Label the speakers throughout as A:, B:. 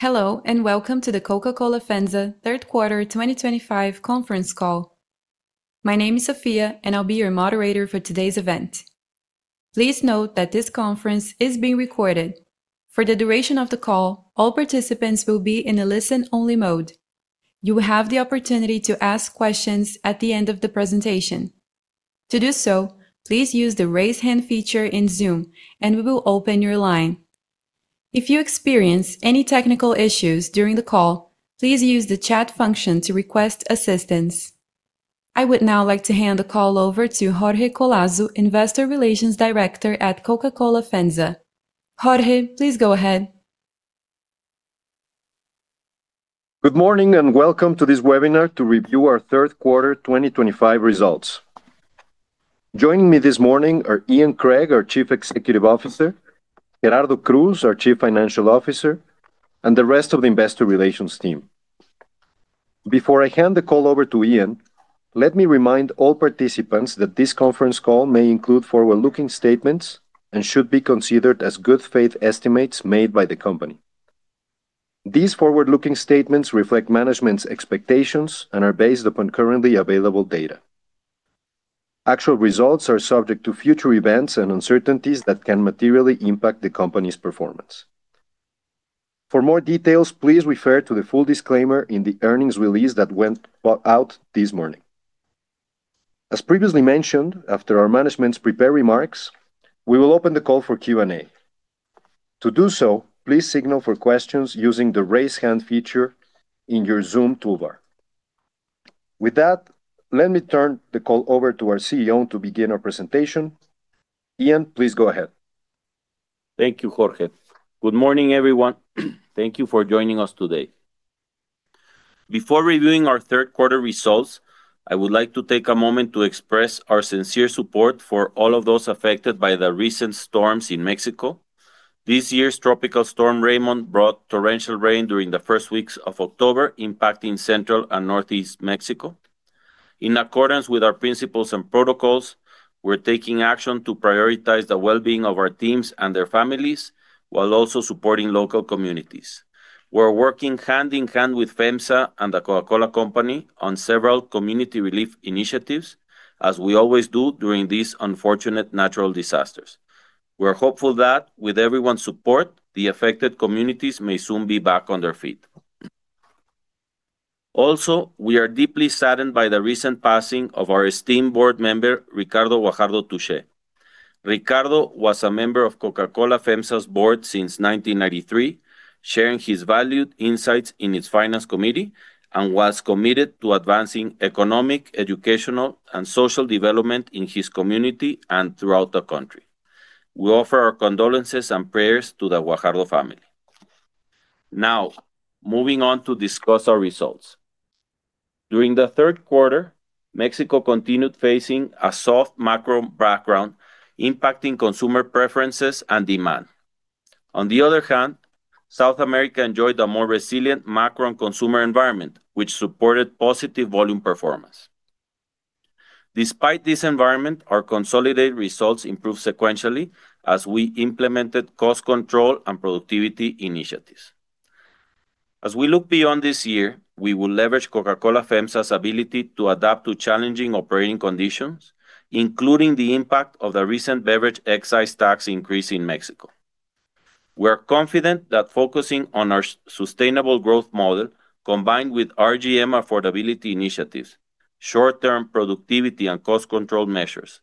A: Hello and welcome to the Coca-Cola FEMSA Third Quarter 2025 Conference Call. My name is Sofia, and I'll be your moderator for today's event. Please note that this conference is being recorded. For the duration of the call, all participants will be in a listen-only mode. You will have the opportunity to ask questions at the end of the presentation. To do so, please use the 'Raise Hand' feature in Zoom, and we will open your line. If you experience any technical issues during the call, please use the chat function to request assistance. I would now like to hand the call over to Jorge Collazo, Investor Relations Director at Coca-Cola FEMSA. Jorge, please go ahead.
B: Good morning and welcome to this webinar to review our Third Quarter 2025 results. Joining me this morning are Ian Craig, our Chief Executive Officer, Gerardo Cruz, our Chief Financial Officer, and the rest of the Investor Relations team. Before I hand the call over to Ian, let me remind all participants that this conference call may include forward-looking statements and should be considered as good-faith estimates made by the company. These forward-looking statements reflect management's expectations and are based upon currently available data. Actual results are subject to future events and uncertainties that can materially impact the company's performance. For more details, please refer to the full disclaimer in the earnings release that went out this morning. As previously mentioned, after our management's prepared remarks, we will open the call for Q&A. To do so, please signal for questions using the 'Raise Hand' feature in your Zoom toolbar. With that, let me turn the call over to our CEO to begin our presentation. Ian, please go ahead.
C: Thank you, Jorge. Good morning, everyone. Thank you for joining us today. Before reviewing our third quarter results, I would like to take a moment to express our sincere support for all of those affected by the recent storms in Mexico. This year's Tropical Storm Raymond brought torrential rain during the first weeks of October, impacting Central and Northeast Mexico. In accordance with our principles and protocols, we're taking action to prioritize the well-being of our teams and their families, while also supporting local communities. We're working hand in hand with FEMSA and The Coca-Cola Company on several community relief initiatives, as we always do during these unfortunate natural disasters. We're hopeful that, with everyone's support, the affected communities may soon be back on their feet. Also, we are deeply saddened by the recent passing of our esteemed board member, Ricardo Guajardo Touché. Ricardo was a member of Coca-Cola FEMSA's board since 1993, sharing his valued insights in its Finance Committee, and was committed to advancing economic, educational, and social development in his community and throughout the country. We offer our condolences and prayers to the Guajardo family. Now, moving on to discuss our results. During the third quarter, Mexico continued facing a soft macro background, impacting consumer preferences and demand. On the other hand, South America enjoyed a more resilient macro and consumer environment, which supported positive volume performance. Despite this environment, our consolidated results improved sequentially as we implemented cost control and productivity initiatives. As we look beyond this year, we will leverage Coca-Cola FEMSA's ability to adapt to challenging operating conditions, including the impact of the recent beverage excise tax increase in Mexico. We're confident that focusing on our sustainable growth model, combined with RGM affordability initiatives, short-term productivity, and cost control measures,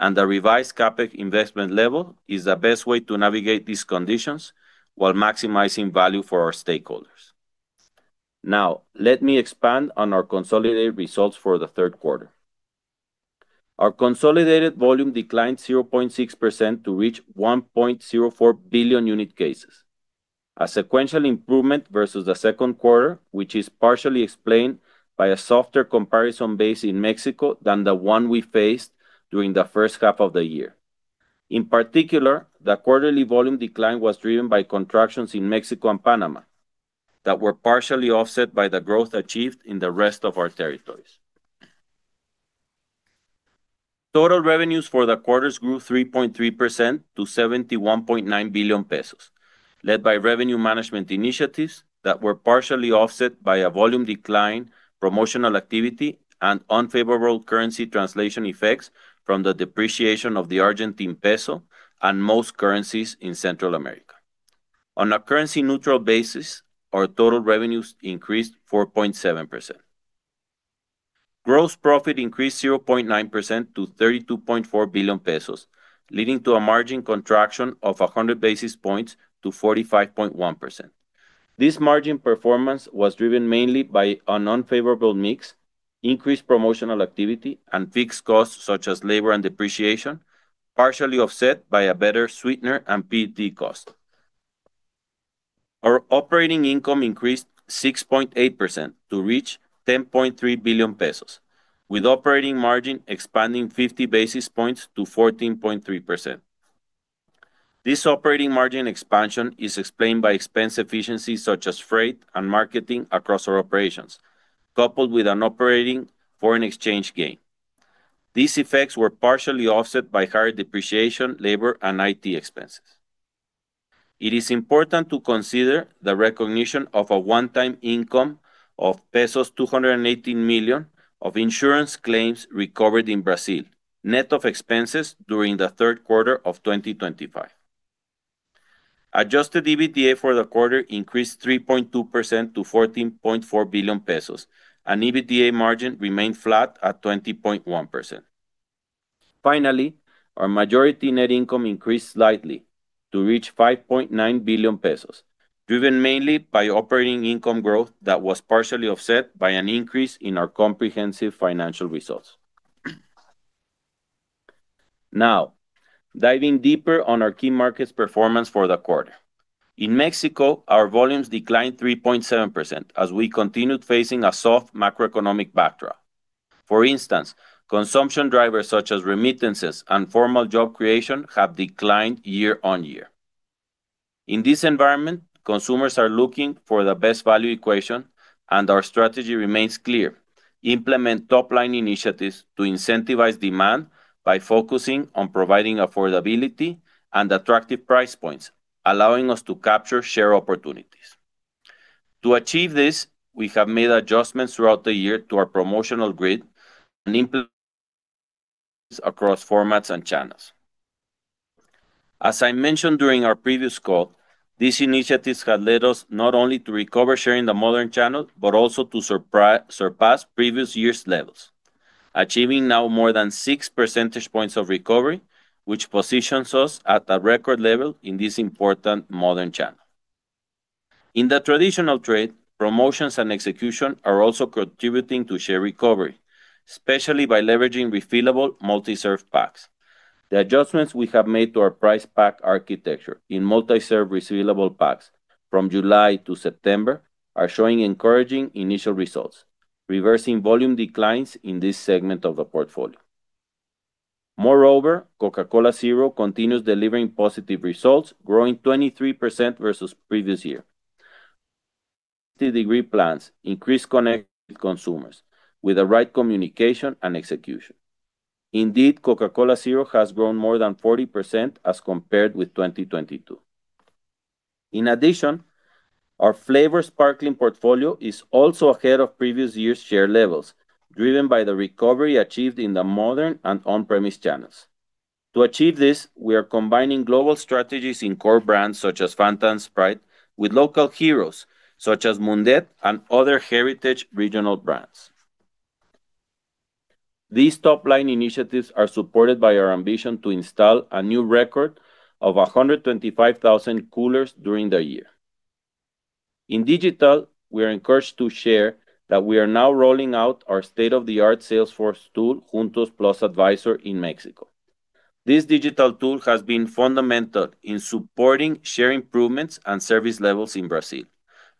C: and the revised CapEx investment level is the best way to navigate these conditions while maximizing value for our stakeholders. Now, let me expand on our consolidated results for the third quarter. Our consolidated volume declined 0.6% to reach 1.04 billion unit cases, a sequential improvement versus the second quarter, which is partially explained by a softer comparison base in Mexico than the one we faced during the first half of the year. In particular, the quarterly volume decline was driven by contractions in Mexico and Panama that were partially offset by the growth achieved in the rest of our territories. Total revenues for the quarter grew 3.3% to 71.9 billion pesos, led by revenue management initiatives that were partially offset by a volume decline, promotional activity, and unfavorable currency translation effects from the depreciation of the Argentine peso and most currencies in Central America. On a currency-neutral basis, our total revenues increased 4.7%. Gross profit increased 0.9% to 32.4 billion pesos, leading to a margin contraction of 100 basis points to 45.1%. This margin performance was driven mainly by an unfavorable mix, increased promotional activity, and fixed costs such as labor and depreciation, partially offset by a better sweetener and PET cost. Our operating income increased 6.8% to reach 10.3 billion pesos, with operating margin expanding 50 basis points to 14.3%. This operating margin expansion is explained by expense efficiencies such as freight and marketing across our operations, coupled with an operating foreign exchange gain. These effects were partially offset by higher depreciation, labor, and IT expenses. It is important to consider the recognition of a one-time income of pesos 218 million of insurance claims recovered in Brazil, net of expenses during the third quarter of 2025. Adjusted EBITDA for the quarter increased 3.2% to 14.4 billion pesos, and EBITDA margin remained flat at 20.1%. Finally, our majority net income increased slightly to reach 5.9 billion pesos, driven mainly by operating income growth that was partially offset by an increase in our comprehensive financial results. Now, diving deeper on our key markets' performance for the quarter. In Mexico, our volumes declined 3.7% as we continued facing a soft macroeconomic backdrop. For instance, consumption drivers such as remittances and formal job creation have declined year on year. In this environment, consumers are looking for the best value equation, and our strategy remains clear: implement top-line initiatives to incentivize demand by focusing on providing affordability and attractive price points, allowing us to capture share opportunities. To achieve this, we have made adjustments throughout the year to our promotional grid and implementations across formats and channels. As I mentioned during our previous call, these initiatives have led us not only to recover share in the modern channel, but also to surpass previous year's levels, achieving now more than 6 percentage points of recovery, which positions us at a record level in this important modern channel. In the traditional trade, promotions and execution are also contributing to share recovery, especially by leveraging refillable multi-serve packs. The adjustments we have made to our price-pack architecture in multi-serve refillable packs from July to September are showing encouraging initial results, reversing volume declines in this segment of the portfolio. Moreover, Coca-Cola Zero continues delivering positive results, growing 23% versus previous year. Degree plans increase connection with consumers with the right communication and execution. Indeed, Coca-Cola Zero has grown more than 40% as compared with 2022. In addition, our flavor sparkling portfolio is also ahead of previous year's share levels, driven by the recovery achieved in the modern and on-premise channels. To achieve this, we are combining global strategies in core brands such as Fanta and Sprite with local heroes such as Mundet and other heritage regional brands. These top-line initiatives are supported by our ambition to install a new record of 125,000 coolers during the year. In digital, we are encouraged to share that we are now rolling out our state-of-the-art Salesforce tool, Juntos+ Advisor in Mexico. This digital tool has been fundamental in supporting share improvements and service levels in Brazil,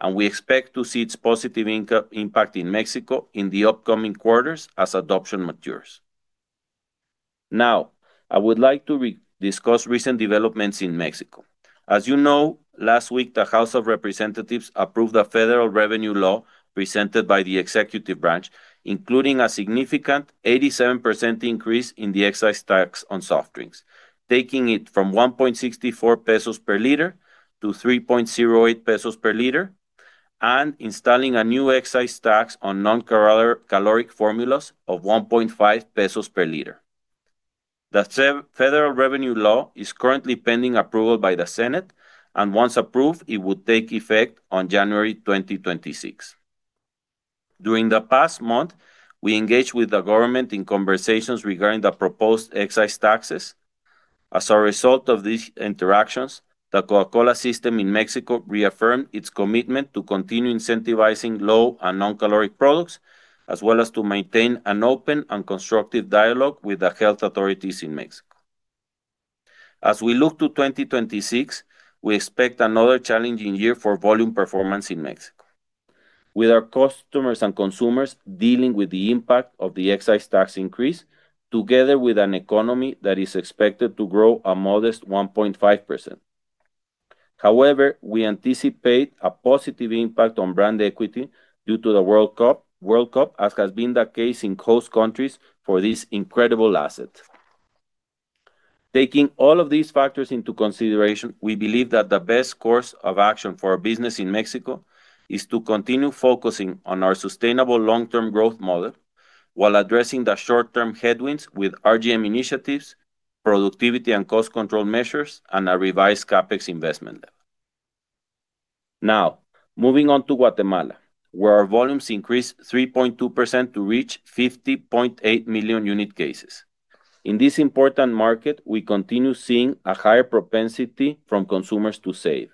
C: and we expect to see its positive impact in Mexico in the upcoming quarters as adoption matures. Now, I would like to discuss recent developments in Mexico. As you know, last week, the House of Representatives approved the federal revenue law presented by the Executive Branch, including a significant 87% increase in the excise tax on soft drinks, taking it from 1.64 pesos per liter to 3.08 pesos per liter, and installing a new excise tax on non-caloric formulas of 1.50 pesos per liter. The federal revenue law is currently pending approval by the Senate, and once approved, it will take effect on January 2026. During the past month, we engaged with the government in conversations regarding the proposed excise taxes. As a result of these interactions, the Coca-Cola system in Mexico reaffirmed its commitment to continue incentivizing low and non-caloric products, as well as to maintain an open and constructive dialogue with the health authorities in Mexico. As we look to 2026, we expect another challenging year for volume performance in Mexico, with our customers and consumers dealing with the impact of the excise tax increase, together with an economy that is expected to grow a modest 1.5%. However, we anticipate a positive impact on brand equity due to the World Cup, as has been the case in host countries for this incredible asset. Taking all of these factors into consideration, we believe that the best course of action for our business in Mexico is to continue focusing on our sustainable long-term growth model while addressing the short-term headwinds with RGM initiatives, productivity and cost control measures, and a revised CapEx investment level. Now, moving on to Guatemala, where our volumes increased 3.2% to reach 50.8 million unit cases. In this important market, we continue seeing a higher propensity from consumers to save.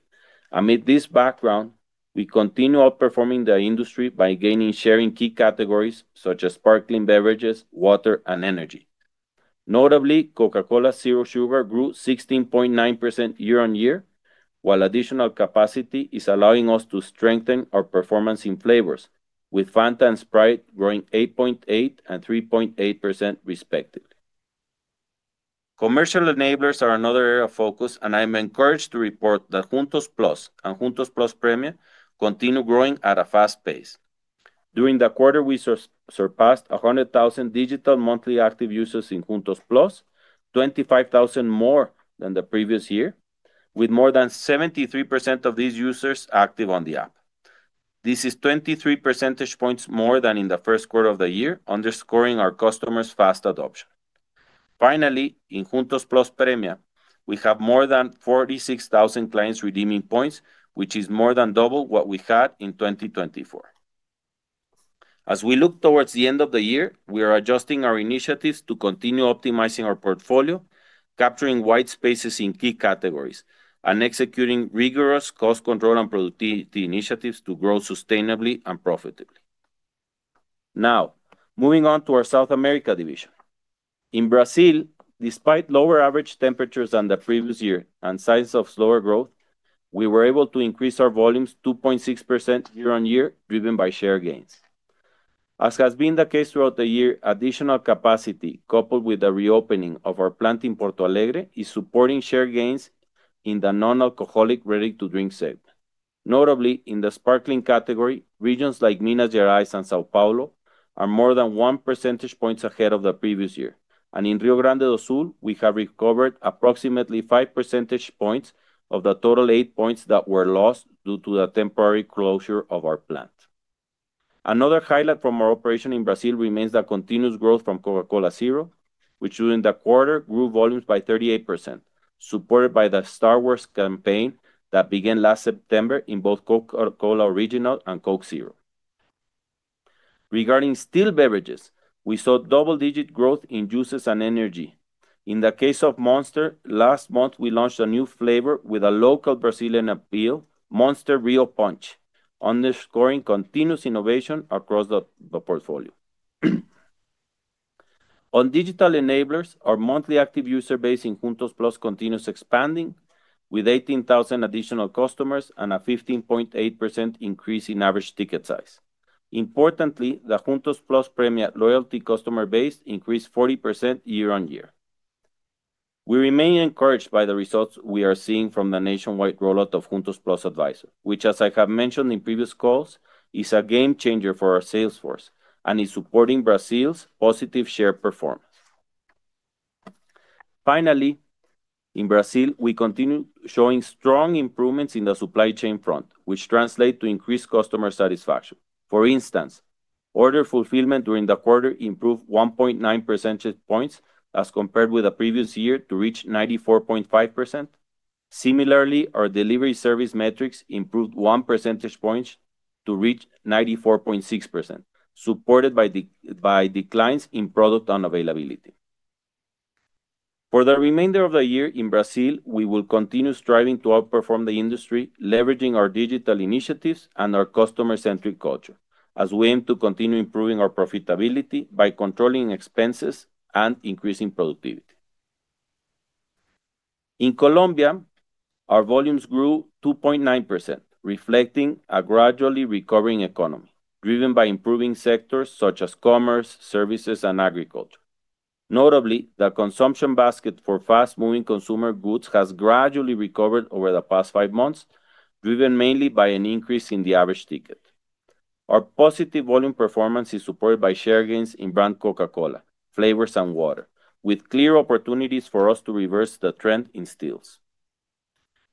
C: Amid this background, we continue outperforming the industry by gaining share in key categories such as sparkling beverages, water, and energy. Notably, Coca-Cola Zero grew 16.9% year on year, while additional capacity is allowing us to strengthen our performance in flavors, with Fanta and Sprite growing 8.8% and 3.8% respectively. Commercial enablers are another area of focus, and I am encouraged to report that Juntos+ and Juntos+ Premio continue growing at a fast pace. During the quarter, we surpassed 100,000 digital monthly active users in Juntos+, 25,000 more than the previous year, with more than 73% of these users active on the app. This is 23 percentage points more than in the first quarter of the year, underscoring our customers' fast adoption. Finally, in Juntos+ Premio, we have more than 46,000 clients redeeming points, which is more than double what we had in 2024. As we look towards the end of the year, we are adjusting our initiatives to continue optimizing our portfolio, capturing white spaces in key categories, and executing rigorous cost control and productivity initiatives to grow sustainably and profitably. Now, moving on to our South America division. In Brazil, despite lower average temperatures than the previous year and signs of slower growth, we were able to increase our volumes 2.6% year on year, driven by share gains. As has been the case throughout the year, additional capacity, coupled with the reopening of our plant in Porto Alegre, is supporting share gains in the non-alcoholic ready-to-drink segment. Notably, in the sparkling category, regions like Minas Gerais and São Paulo are more than one percentage point ahead of the previous year, and in Rio Grande do Sul, we have recovered approximately five percentage points of the total eight points that were lost due to the temporary closure of our plant. Another highlight from our operation in Brazil remains the continuous growth from Coca-Cola Zero, which during the quarter grew volumes by 38%, supported by the Star Wars campaign that began last September in both Coca-Cola Original and Coca-Cola Zero. Regarding still beverages, we saw double-digit growth in juices and energy. In the case of Monster, last month we launched a new flavor with a local Brazilian appeal, Monster Rio Punch, underscoring continuous innovation across the portfolio. On digital enablers, our monthly active user base in Juntos+ continues expanding, with 18,000 additional customers and a 15.8% increase in average ticket size. Importantly, the Juntos+ Premio loyalty customer base increased 40% year on year. We remain encouraged by the results we are seeing from the nationwide rollout of Juntos+ Advisor, which, as I have mentioned in previous calls, is a game changer for our sales force and is supporting Brazil's positive share performance. Finally, in Brazil, we continue showing strong improvements in the supply chain front, which translate to increased customer satisfaction. For instance, order fulfillment during the quarter improved 1.9 percentage points as compared with the previous year to reach 94.5%. Similarly, our delivery service metrics improved 1 percentage point to reach 94.6%, supported by declines in product unavailability. For the remainder of the year, in Brazil, we will continue striving to outperform the industry, leveraging our digital initiatives and our customer-centric culture, as we aim to continue improving our profitability by controlling expenses and increasing productivity. In Colombia, our volumes grew 2.9%, reflecting a gradually recovering economy, driven by improving sectors such as commerce, services, and agriculture. Notably, the consumption basket for fast-moving consumer goods has gradually recovered over the past five months, driven mainly by an increase in the average ticket. Our positive volume performance is supported by share gains in brand Coca-Cola, flavors, and water, with clear opportunities for us to reverse the trend in stills.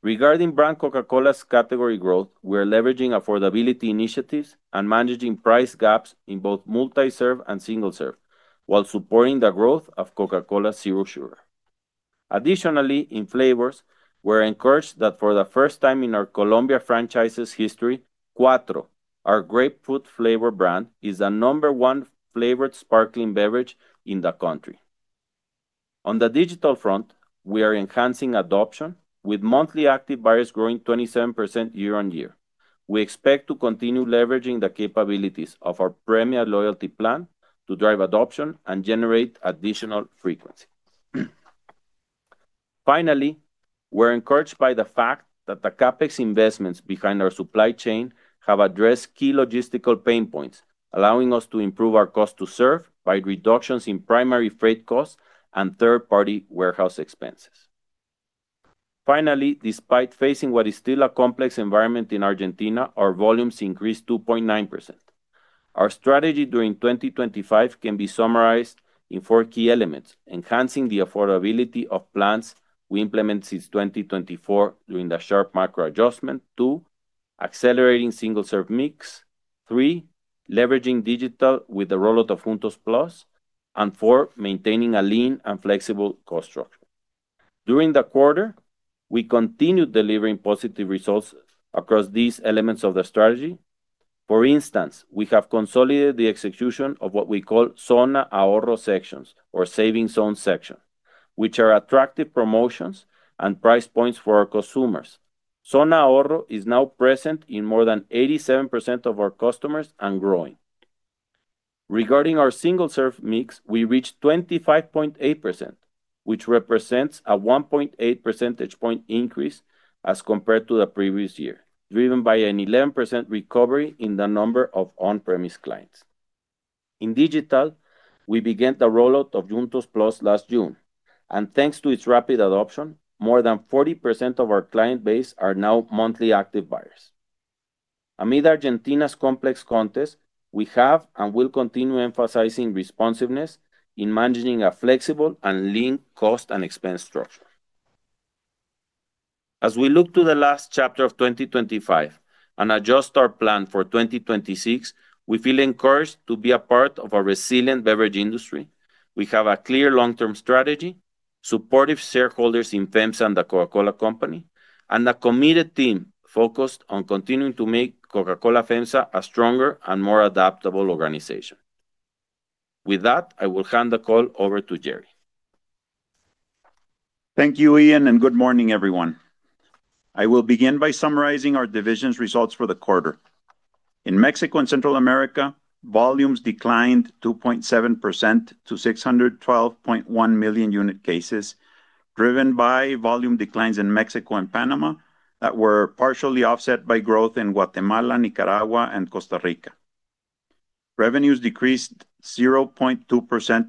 C: Regarding brand Coca-Cola's category growth, we are leveraging affordability initiatives and managing price gaps in both multi-serve and single serve, while supporting the growth of Coca-Cola Zero. Additionally, in flavors, we're encouraged that for the first time in our Colombia franchise's history, Quatro, our grapefruit flavor brand, is the number one flavored sparkling beverage in the country. On the digital front, we are enhancing adoption, with monthly active buyers growing 27% year on year. We expect to continue leveraging the capabilities of our Premio loyalty plan to drive adoption and generate additional frequency. Finally, we're encouraged by the fact that the CapEx investments behind our supply chain have addressed key logistical pain points, allowing us to improve our cost to serve by reductions in primary freight costs and third-party warehouse expenses. Finally, despite facing what is still a complex environment in Argentina, our volumes increased 2.9%. Our strategy during 2025 can be summarized in four key elements: enhancing the affordability of plans we implemented since 2024 during the sharp macro adjustment, two, accelerating single-serve mix, three, leveraging digital with the rollout of Juntos+, and four, maintaining a lean and flexible cost structure. During the quarter, we continued delivering positive results across these elements of the strategy. For instance, we have consolidated the execution of what we call Zona Ahorro sections, or Saving Zones sections, which are attractive promotions and price points for our consumers. Zona Ahorro is now present in more than 87% of our customers and growing. Regarding our single-serve mix, we reached 25.8%, which represents a 1.8 percentage point increase as compared to the previous year, driven by an 11% recovery in the number of on-premise clients. In digital, we began the rollout of Juntos+ last June, and thanks to its rapid adoption, more than 40% of our client base are now monthly active buyers. Amid Argentina's complex context, we have and will continue emphasizing responsiveness in managing a flexible and lean cost and expense structure. As we look to the last chapter of 2025 and adjust our plan for 2026, we feel encouraged to be a part of a resilient beverage industry. We have a clear long-term strategy, supportive shareholders in FEMSA and The Coca-Cola Company, and a committed team focused on continuing to make Coca-Cola FEMSA a stronger and more adaptable organization. With that, I will hand the call over to Gerardo.
D: Thank you, Ian, and good morning, everyone. I will begin by summarizing our division's results for the quarter. In Mexico and Central America, volumes declined 2.7% to 612.1 million unit cases, driven by volume declines in Mexico and Panama that were partially offset by growth in Guatemala, Nicaragua, and Costa Rica. Revenues decreased 0.2%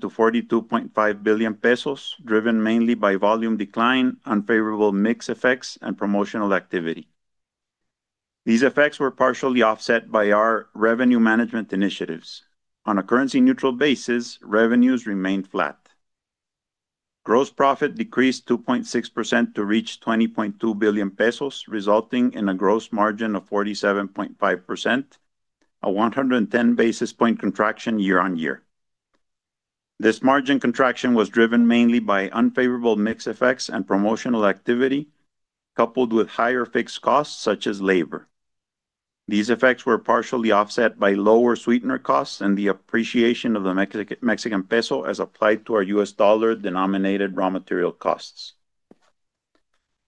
D: to 42.5 billion pesos, driven mainly by volume decline, unfavorable mix effects, and promotional activity. These effects were partially offset by our revenue management initiatives. On a currency-neutral basis, revenues remained flat. Gross profit decreased 2.6% to reach 20.2 billion pesos, resulting in a gross margin of 47.5%, a 110 basis point contraction year on year. This margin contraction was driven mainly by unfavorable mix effects and promotional activity, coupled with higher fixed costs such as labor. These effects were partially offset by lower sweetener costs and the appreciation of the Mexican peso as applied to our U.S. dollar denominated raw material costs.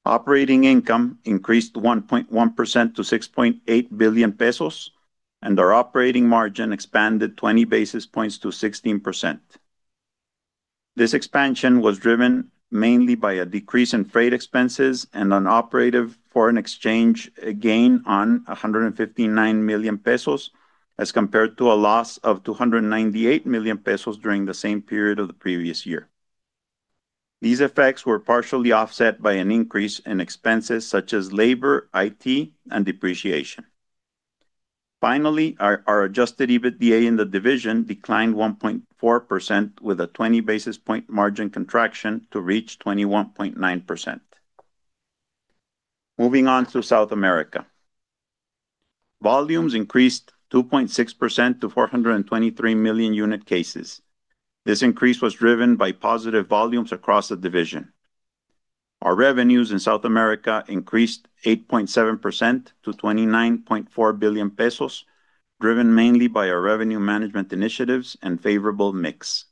D: Operating income increased 1.1% to 6.8 billion pesos, and our operating margin expanded 20 basis points to 16%. This expansion was driven mainly by a decrease in freight expenses and an operative foreign exchange gain on 159 million pesos as compared to a loss of 298 million pesos during the same period of the previous year. These effects were partially offset by an increase in expenses such as labor, IT, and depreciation. Finally, our adjusted EBITDA in the division declined 1.4% with a 20 basis point margin contraction to reach 21.9%. Moving on to South America, volumes increased 2.6% to 423 million unit cases. This increase was driven by positive volumes across the division. Our revenues in South America increased 8.7% to 29.4 billion pesos, driven mainly by our revenue management initiatives and favorable mix.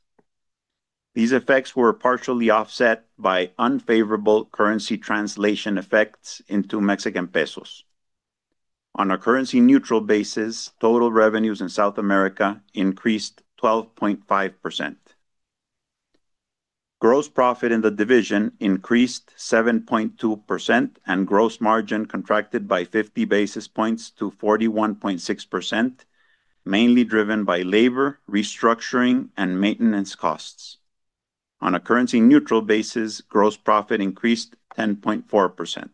D: These effects were partially offset by unfavorable currency translation effects into Mexican pesos. On a currency-neutral basis, total revenues in South America increased 12.5%. Gross profit in the division increased 7.2% and gross margin contracted by 50 basis points to 41.6%, mainly driven by labor, restructuring, and maintenance costs. On a currency-neutral basis, gross profit increased 10.4%.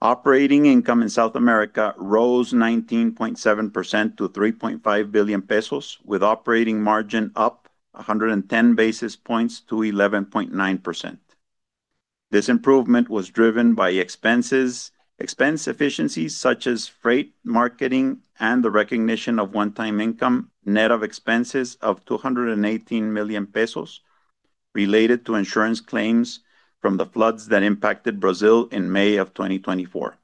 D: Operating income in South America rose 19.7% to 3.5 billion pesos, with operating margin up 110 basis points to 11.9%. This improvement was driven by expense efficiencies such as freight, marketing, and the recognition of one-time income net of expenses of 218 million pesos related to insurance claims from the floods that impacted Brazil in May of 2024.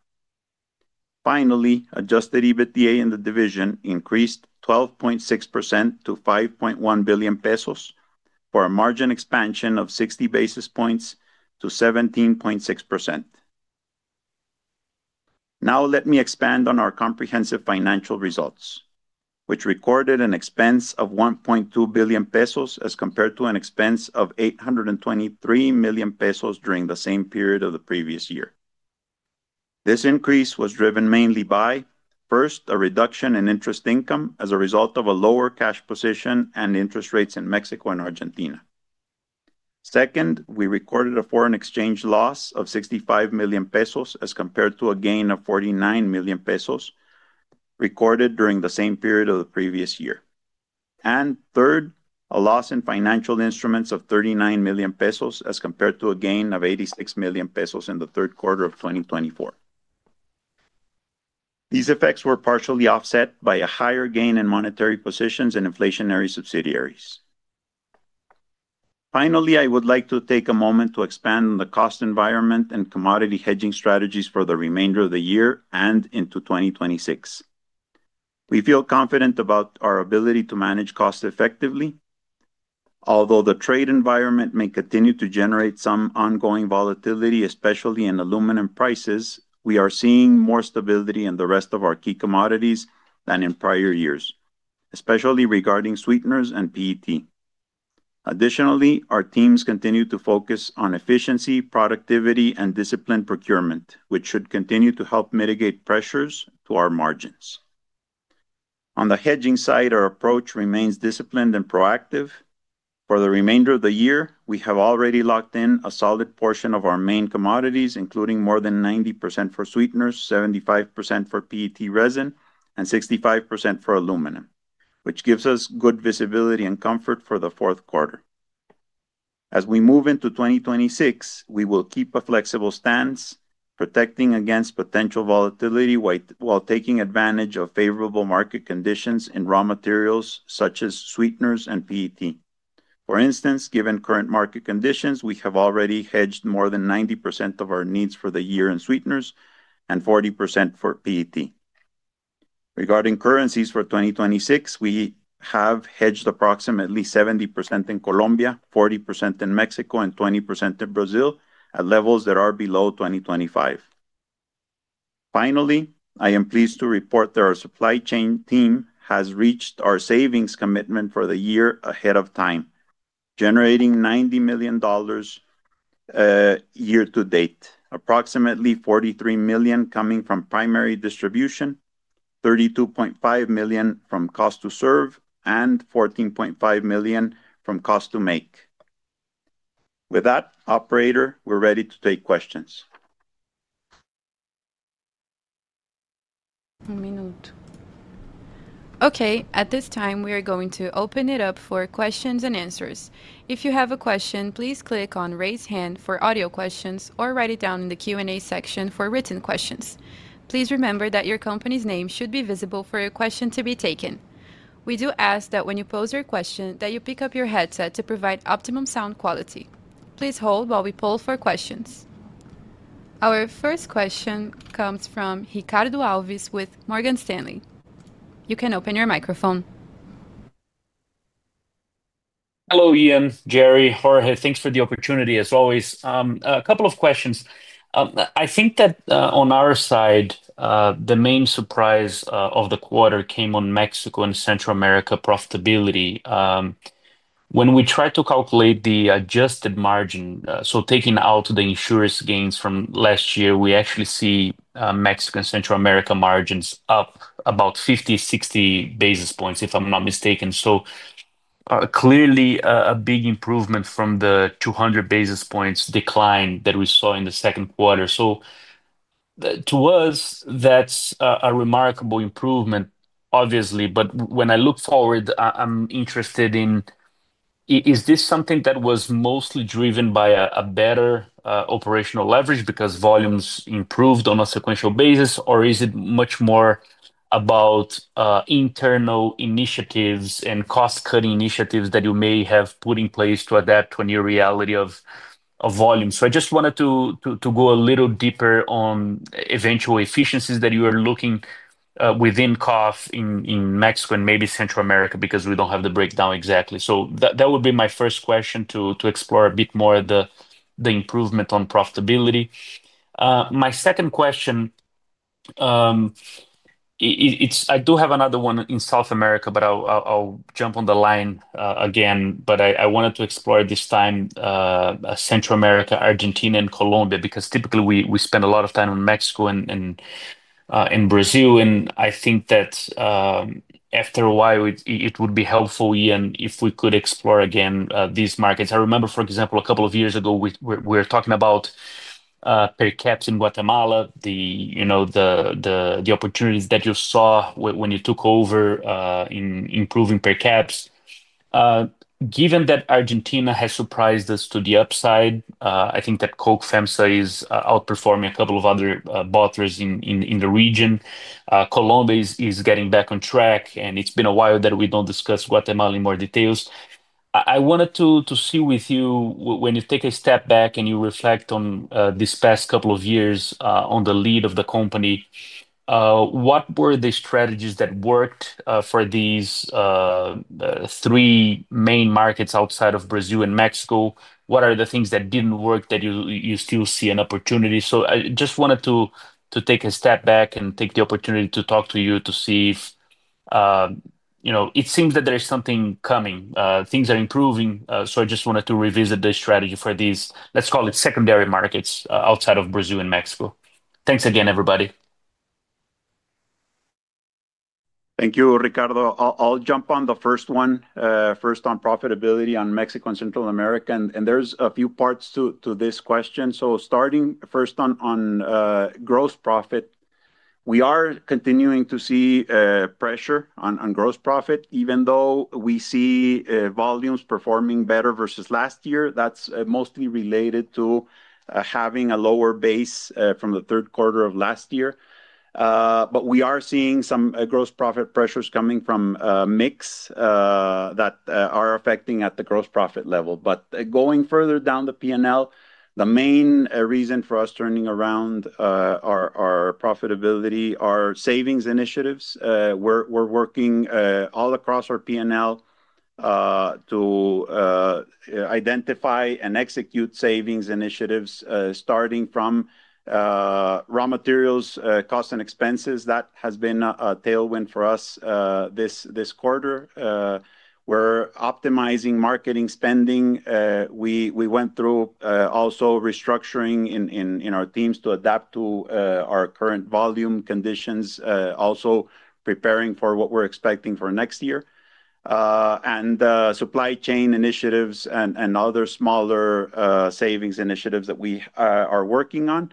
D: Finally, adjusted EBITDA in the division increased 12.6% to 5.1 billion pesos for a margin expansion of 60 basis points to 17.6%. Now, let me expand on our comprehensive financial results, which recorded an expense of 1.2 billion pesos as compared to an expense of 823 million pesos during the same period of the previous year. This increase was driven mainly by, first, a reduction in interest income as a result of a lower cash position and interest rates in Mexico and Argentina. Second, we recorded a foreign exchange loss of 65 million pesos as compared to a gain of 49 million pesos recorded during the same period of the previous year. Third, a loss in financial instruments of 39 million pesos as compared to a gain of 86 million pesos in the third quarter of 2024. These effects were partially offset by a higher gain in monetary positions and inflationary subsidiaries. Finally, I would like to take a moment to expand on the cost environment and commodity hedging strategies for the remainder of the year and into 2026. We feel confident about our ability to manage costs effectively. Although the trade environment may continue to generate some ongoing volatility, especially in aluminum prices, we are seeing more stability in the rest of our key commodities than in prior years, especially regarding sweeteners and PET. Additionally, our teams continue to focus on efficiency, productivity, and disciplined procurement, which should continue to help mitigate pressures to our margins. On the hedging side, our approach remains disciplined and proactive. For the remainder of the year, we have already locked in a solid portion of our main commodities, including more than 90% for sweeteners, 75% for PET resin, and 65% for aluminum, which gives us good visibility and comfort for the fourth quarter. As we move into 2026, we will keep a flexible stance, protecting against potential volatility while taking advantage of favorable market conditions in raw materials such as sweeteners and PET. For instance, given current market conditions, we have already hedged more than 90% of our needs for the year in sweeteners and 40% for PET. Regarding currencies for 2026, we have hedged approximately 70% in Colombia, 40% in Mexico, and 20% in Brazil at levels that are below 2025. Finally, I am pleased to report that our supply chain team has reached our savings commitment for the year ahead of time, generating $90 million year to date, approximately $43 million coming from primary distribution, $32.5 million from cost to serve, and $14.5 million from cost to make. With that, operator, we're ready to take questions.
A: Okay, at this time, we are going to open it up for questions and answers. If you have a question, please click on 'Raise Hand' for audio questions or write it down in the Q&A section for written questions. Please remember that your company's name should be visible for your question to be taken. We do ask that when you pose your question, you pick up your headset to provide optimum sound quality. Please hold while we poll for questions. Our first question comes from Ricardo Alves with Morgan Stanley. You can open your microphone.
E: Hello, Ian, Gerardo, Jorge, thanks for the opportunity as always. A couple of questions. I think that on our side, the main surprise of the quarter came on Mexico and Central America profitability. When we try to calculate the adjusted margin, so taking out the insurance gains from last year, we actually see Mexico and Central America margins up about 50 basis points, 60 basis points, if I'm not mistaken. Clearly, a big improvement from the 200 basis points decline that we saw in the second quarter. To us, that's a remarkable improvement, obviously, but when I look forward, I'm interested in, is this something that was mostly driven by a better operational leverage because volumes improved on a sequential basis, or is it much more about internal initiatives and cost-cutting initiatives that you may have put in place to adapt to a new reality of volume? I just wanted to go a little deeper on eventual efficiencies that you are looking within cost in Mexico and maybe Central America because we don't have the breakdown exactly. That would be my first question to explore a bit more the improvement on profitability. My second question, I do have another one in South America, but I'll jump on the line again, but I wanted to explore this time Central America, Argentina, and Colombia because typically we spend a lot of time in Mexico and Brazil, and I think that after a while it would be helpful, Ian, if we could explore again these markets. I remember, for example, a couple of years ago we were talking about per caps in Guatemala, the opportunities that you saw when you took over in improving per caps. Given that Argentina has surprised us to the upside, I think that Coca-Cola FEMSA is outperforming a couple of other bottlers in the region. Colombia is getting back on track, and it's been a while that we don't discuss Guatemala in more details. I wanted to see with you, when you take a step back and you reflect on these past couple of years on the lead of the company, what were the strategies that worked for these three main markets outside of Brazil and Mexico? What are the things that didn't work that you still see an opportunity? I just wanted to take a step back and take the opportunity to talk to you to see if, you know, it seems that there's something coming. Things are improving, so I just wanted to revisit the strategy for these, let's call it secondary markets outside of Brazil and Mexico. Thanks again, everybody.
D: Thank you, Ricardo. I'll jump on the first one, first on profitability on Mexico and Central America, and there's a few parts to this question. Starting first on gross profit, we are continuing to see pressure on gross profit, even though we see volumes performing better versus last year. That's mostly related to having a lower base from the third quarter of last year. We are seeing some gross profit pressures coming from a mix that are affecting at the gross profit level. Going further down the P&L, the main reason for us turning around our profitability are savings initiatives. We're working all across our P&L to identify and execute savings initiatives, starting from raw materials costs and expenses. That has been a tailwind for us this quarter. We're optimizing marketing spending. We went through also restructuring in our teams to adapt to our current volume conditions, also preparing for what we're expecting for next year, and supply chain initiatives and other smaller savings initiatives that we are working on.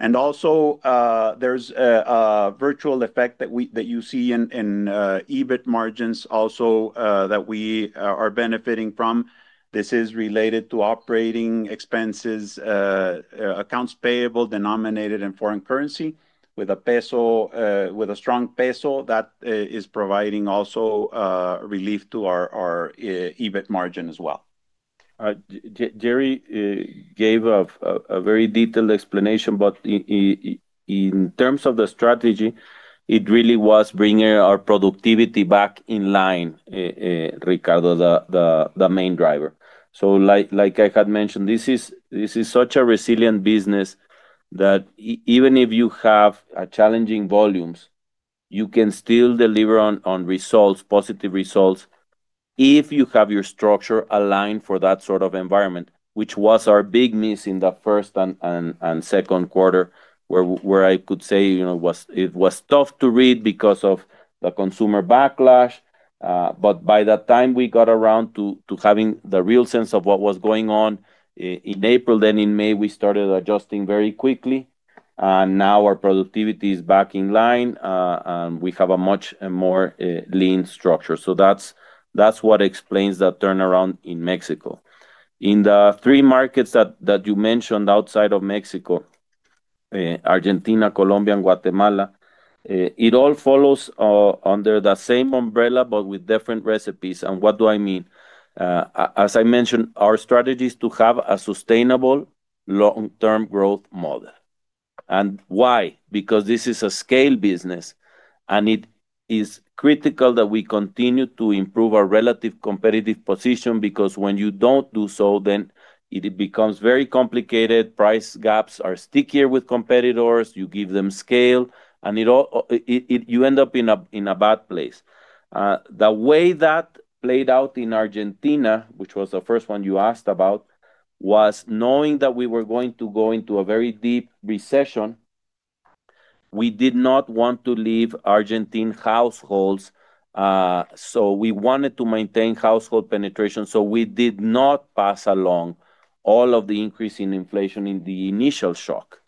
D: There's a virtual effect that you see in EBIT margins also that we are benefiting from. This is related to operating expenses, accounts payable, denominated, and foreign currency, with a strong peso that is providing also relief to our EBIT margin as well.
C: Gerardo gave a very detailed explanation, but in terms of the strategy, it really was bringing our productivity back in line, Ricardo, the main driver. Like I had mentioned, this is such a resilient business that even if you have challenging volumes, you can still deliver on results, positive results, if you have your structure aligned for that sort of environment, which was our big miss in the first and second quarter, where I could say it was tough to read because of the consumer backlash. By the time we got around to having the real sense of what was going on in April, then in May, we started adjusting very quickly. Now our productivity is back in line, and we have a much more lean structure. That is what explains that turnaround in Mexico. In the three markets that you mentioned outside of Mexico, Argentina, Colombia, and Guatemala, it all follows under the same umbrella, but with different recipes. What do I mean? As I mentioned, our strategy is to have a sustainable long-term growth model. Why? Because this is a scale business, and it is critical that we continue to improve our relative competitive position because when you do not do so, then it becomes very complicated. Price gaps are stickier with competitors. You give them scale, and you end up in a bad place. The way that played out in Argentina, which was the first one you asked about, was knowing that we were going to go into a very deep recession. We did not want to leave Argentine households, so we wanted to maintain household penetration. We did not pass along all of the increase in inflation in the initial shock.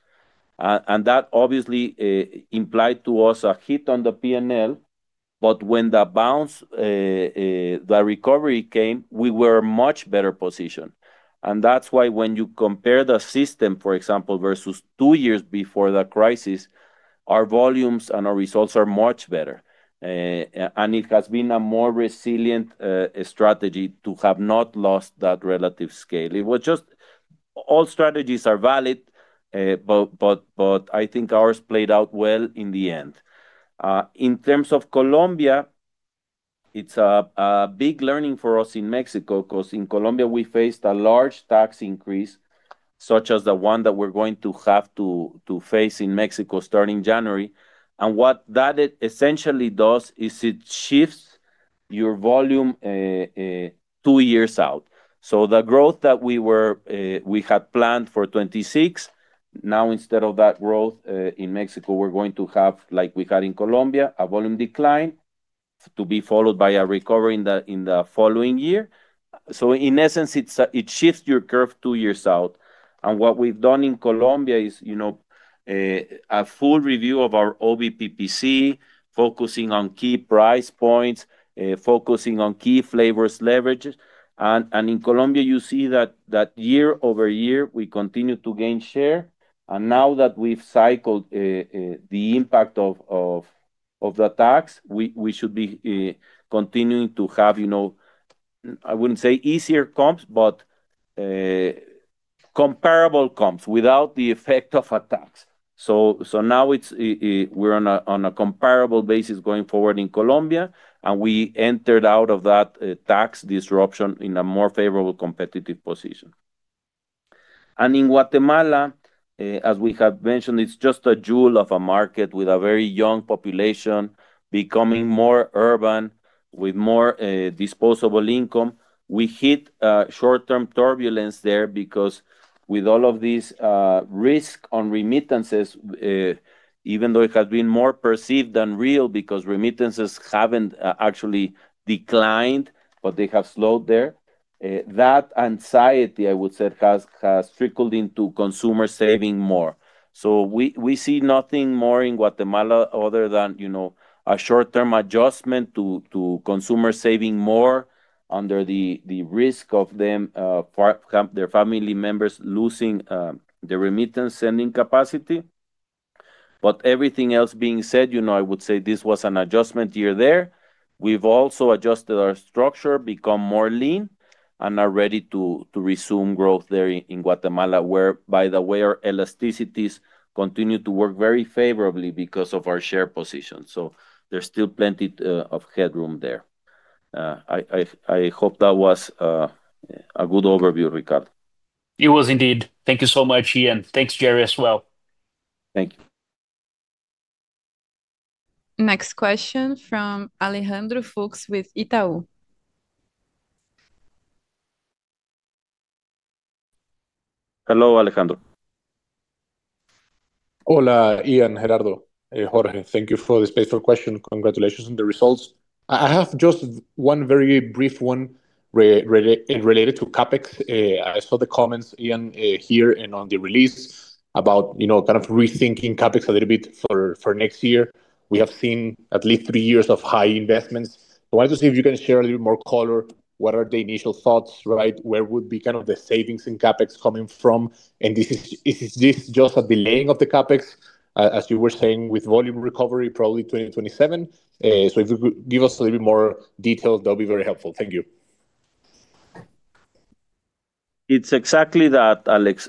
C: That obviously implied to us a hit on the P&L, but when the bounce, the recovery came, we were in a much better position. That is why when you compare the system, for example, versus two years before the crisis, our volumes and our results are much better. It has been a more resilient strategy to have not lost that relative scale. All strategies are valid, but I think ours played out well in the end. In terms of Colombia, it is a big learning for us in Mexico because in Colombia we faced a large tax increase, such as the one that we are going to have to face in Mexico starting January. What that essentially does is it shifts your volume two years out. The growth that we had planned for 2026, now instead of that growth in Mexico, we're going to have, like we had in Colombia, a volume decline to be followed by a recovery in the following year. In essence, it shifts your curve two years out. What we've done in Colombia is a full review of our OBPPC, focusing on key price points, focusing on key flavors leverages. In Colombia, you see that year over year, we continue to gain share. Now that we've cycled the impact of the tax, we should be continuing to have, I wouldn't say easier comps, but comparable comps without the effect of a tax. Now we're on a comparable basis going forward in Colombia, and we entered out of that tax disruption in a more favorable competitive position. In Guatemala, as we have mentioned, it's just a jewel of a market with a very young population, becoming more urban, with more disposable income. We hit short-term turbulence there because with all of this risk on remittances, even though it has been more perceived than real because remittances haven't actually declined, they have slowed there. That anxiety, I would say, has trickled into consumers saving more. We see nothing more in Guatemala other than a short-term adjustment to consumers saving more under the risk of their family members losing their remittance sending capacity. Everything else being said, I would say this was an adjustment year there. We've also adjusted our structure, become more lean, and are ready to resume growth there in Guatemala, where, by the way, our elasticities continue to work very favorably because of our share position. There's still plenty of headroom there. I hope that was a good overview, Ricardo.
E: It was indeed. Thank you so much, Ian. Thanks, Gerardo, as well.
C: Thank you.
A: Next question from Alejandro Fuchs with Itaú.
C: Hello, Alejandro.
F: Hola, Ian, Gerardo, and Jorge. Thank you for the space for questions. Congratulations on the results. I have just one very brief one related to CapEx. I saw the comments, Ian, here and on the release about, you know, kind of rethinking CapEx a little bit for next year. We have seen at least three years of high investments. I wanted to see if you can share a little bit more color. What are the initial thoughts, right? Where would be kind of the savings in CapEx coming from? Is this just a delaying of the CapEx, as you were saying, with volume recovery, probably 2027? If you could give us a little bit more details, that would be very helpful. Thank you.
C: It's exactly that, Alex.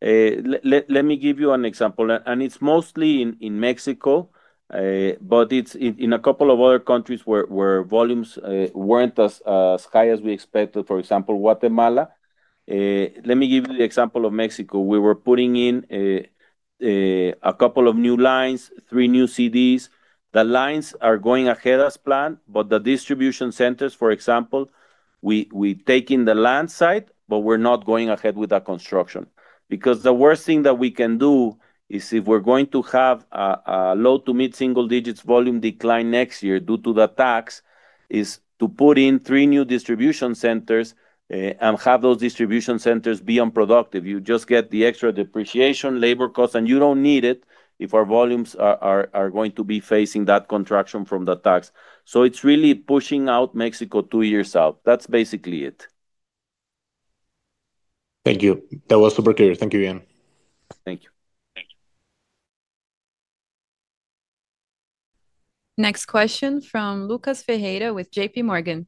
C: Let me give you an example. It's mostly in Mexico, but it's in a couple of other countries where volumes weren't as high as we expected. For example, Guatemala. Let me give you the example of Mexico. We were putting in a couple of new lines, three new CDs. The lines are going ahead as planned, but the distribution centers, for example, we're taking the land side, but we're not going ahead with that construction. The worst thing that we can do is if we're going to have a low to mid-single-digit volume decline next year due to the tax, is to put in three new distribution centers and have those distribution centers be unproductive. You just get the extra depreciation, labor costs, and you don't need it if our volumes are going to be facing that contraction from the tax. It's really pushing out Mexico two years out. That's basically it.
F: Thank you. That was super clear. Thank you, Ian.
C: Thank you.
A: Next question from Lucas Ferreira with JPMorgan.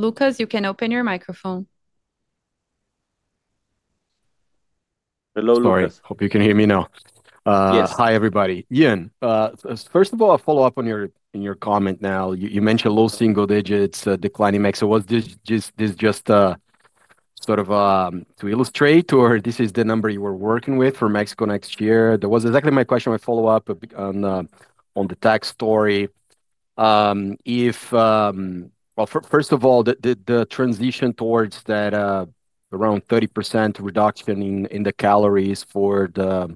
A: Lucas, you can open your microphone.
C: Hello, Lucas.
G: Hope you can hear me now.
C: Yes.
G: Hi, everybody. Ian, first of all, I'll follow up on your comment now. You mentioned low single-digits decline in Mexico. Was this just sort of to illustrate, or is this the number you were working with for Mexico next year? That was exactly my question. I'll follow up on the tax story. First of all, the transition towards that around 30% reduction in the calories for the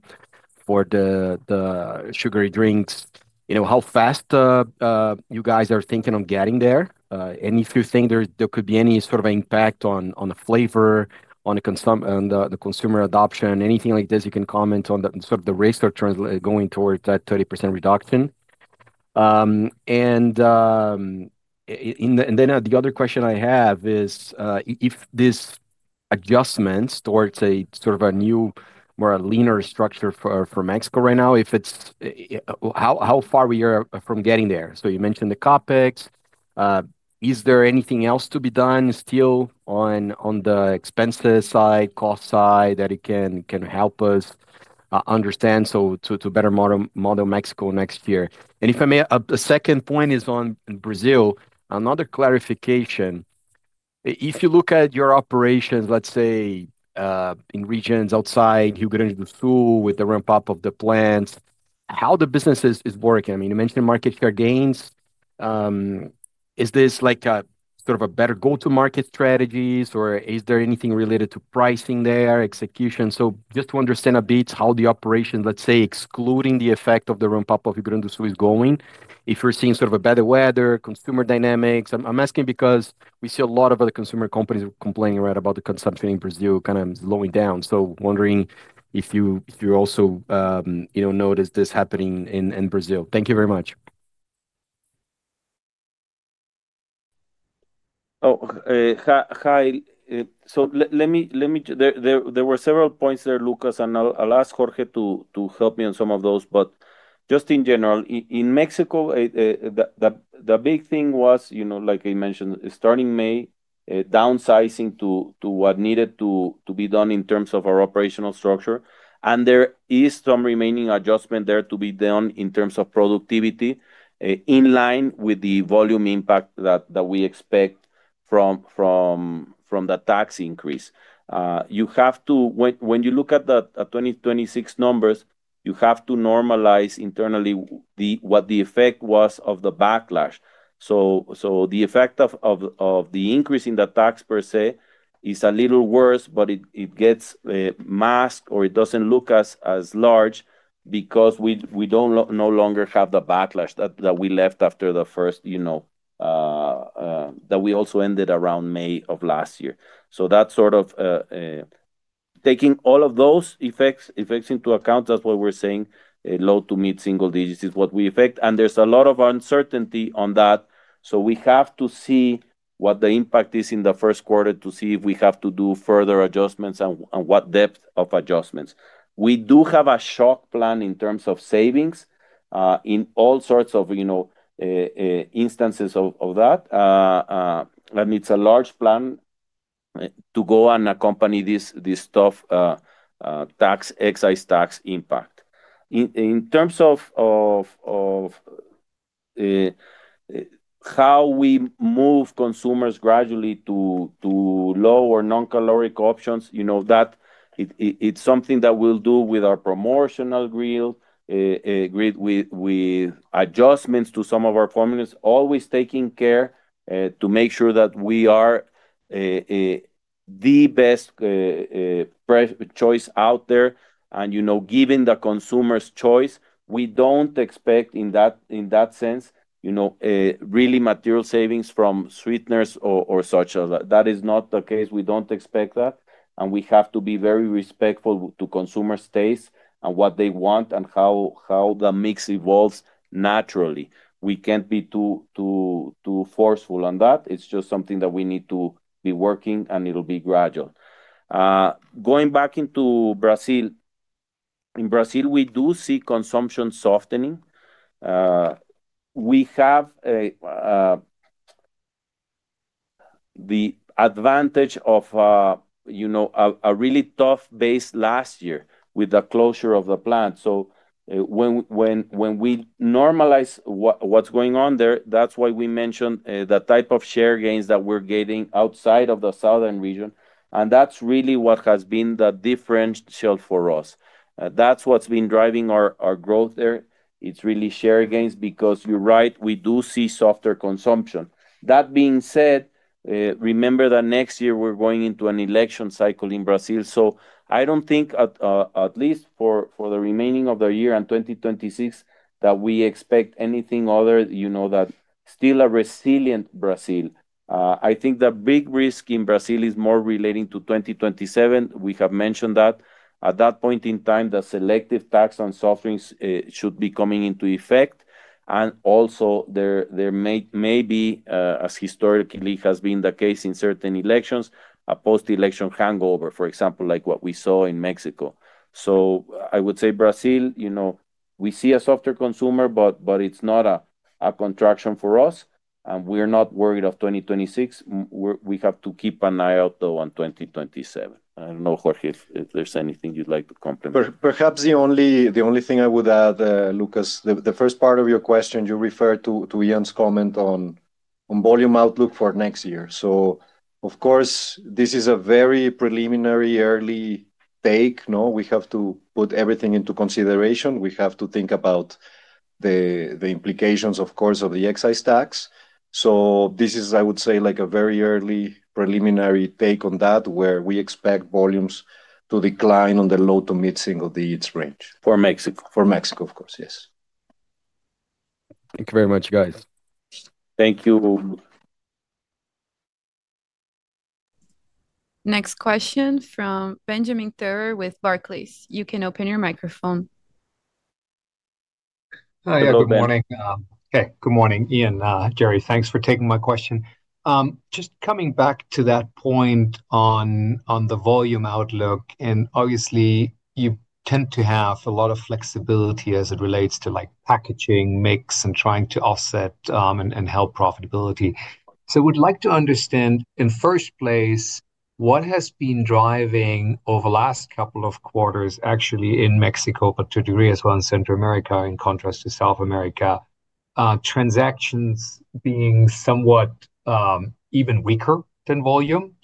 G: sugary drinks, how fast you guys are thinking of getting there? If you think there could be any sort of impact on the flavor, on the consumer adoption, anything like this, you can comment on the sort of the race or going towards that 30% reduction. The other question I have is if this adjustment towards a sort of a new, more leaner structure for Mexico right now, how far we are from getting there. You mentioned the CapEx. Is there anything else to be done still on the expenses side, cost side that can help us understand to better model Mexico next year? If I may, a second point is on Brazil. Another clarification. If you look at your operations, let's say in regions outside Rio Grande do Sul with the ramp-up of the plants, how the business is working? You mentioned market share gains. Is this like a sort of a better go-to-market strategy, or is there anything related to pricing there, execution? Just to understand a bit how the operations, let's say, excluding the effect of the ramp-up of Rio Grande do Sul is going, if you're seeing sort of a better weather, consumer dynamics. I'm asking because we see a lot of other consumer companies complaining about the consumption in Brazil kind of slowing down. Wondering if you also notice this happening in Brazil. Thank you very much.
C: Oh, hi. Let me, there were several points there, Lucas, and I'll ask Jorge to help me on some of those. In general, in Mexico, the big thing was, like I mentioned, starting May, downsizing to what needed to be done in terms of our operational structure. There is some remaining adjustment there to be done in terms of productivity, in line with the volume impact that we expect from the tax increase. When you look at the 2026 numbers, you have to normalize internally what the effect was of the backlash. The effect of the increase in the tax per se is a little worse, but it gets masked or it doesn't look as large because we no longer have the backlash that we left after the first, you know, that we also ended around May of last year. Taking all of those effects into account, that's why we're saying low to mid-single digits is what we expect. There is a lot of uncertainty on that. We have to see what the impact is in the first quarter to see if we have to do further adjustments and what depth of adjustments. We do have a shock plan in terms of savings in all sorts of instances of that. It's a large plan to go and accompany this tough excise tax impact. In terms of how we move consumers gradually to low or non-caloric options, that is something that we'll do with our promotional grill, with adjustments to some of our formulas, always taking care to make sure that we are the best choice out there. Given the consumer's choice, we don't expect in that sense really material savings from sweeteners or such as that. That is not the case. We don't expect that. We have to be very respectful to consumers' tastes and what they want and how the mix evolves naturally. We can't be too forceful on that. It's just something that we need to be working, and it'll be gradual. Going back into Brazil, in Brazil, we do see consumption softening. We have the advantage of a really tough base last year with the closure of the plant. When we normalize what's going on there, that's why we mentioned the type of share gains that we're getting outside of the southern region. That's really what has been the differential for us. That's what's been driving our growth there. It's really share gains because you're right, we do see softer consumption. That being said, remember that next year we're going into an election cycle in Brazil. I don't think, at least for the remaining of the year and 2026, that we expect anything other, you know, that still a resilient Brazil. I think the big risk in Brazil is more relating to 2027. We have mentioned that at that point in time, the selective tax on soft drinks should be coming into effect. There may be, as historically has been the case in certain elections, a post-election hangover, for example, like what we saw in Mexico. I would say Brazil, you know, we see a softer consumer, but it's not a contraction for us. We're not worried of 2026. We have to keep an eye out, though, on 2027. I don't know, Jorge, if there's anything you'd like to complement.
B: Perhaps the only thing I would add, Lucas, the first part of your question, you referred to Ian's comment on volume outlook for next year. This is a very preliminary early take. We have to put everything into consideration. We have to think about the implications, of course, of the excise tax. This is, I would say, a very early preliminary take on that, where we expect volumes to decline in the low to mid-single digits range.
G: For Mexico.
B: For Mexico, of course, yes.
G: Thank you very much, guys.
B: Thank you.
A: Next question from Benjamin Theurer with Barclays. You can open your microphone.
C: Hi, yeah, good morning.
H: Good morning, Ian, Gerardo. Thanks for taking my question. Just coming back to that point on the volume outlook, obviously, you tend to have a lot of flexibility as it relates to packaging, mix, and trying to offset and help profitability. I would like to understand, in first place, what has been driving over the last couple of quarters, actually in Mexico, but to a degree as well in Central America, in contrast to South America, transactions being somewhat even weaker than volume.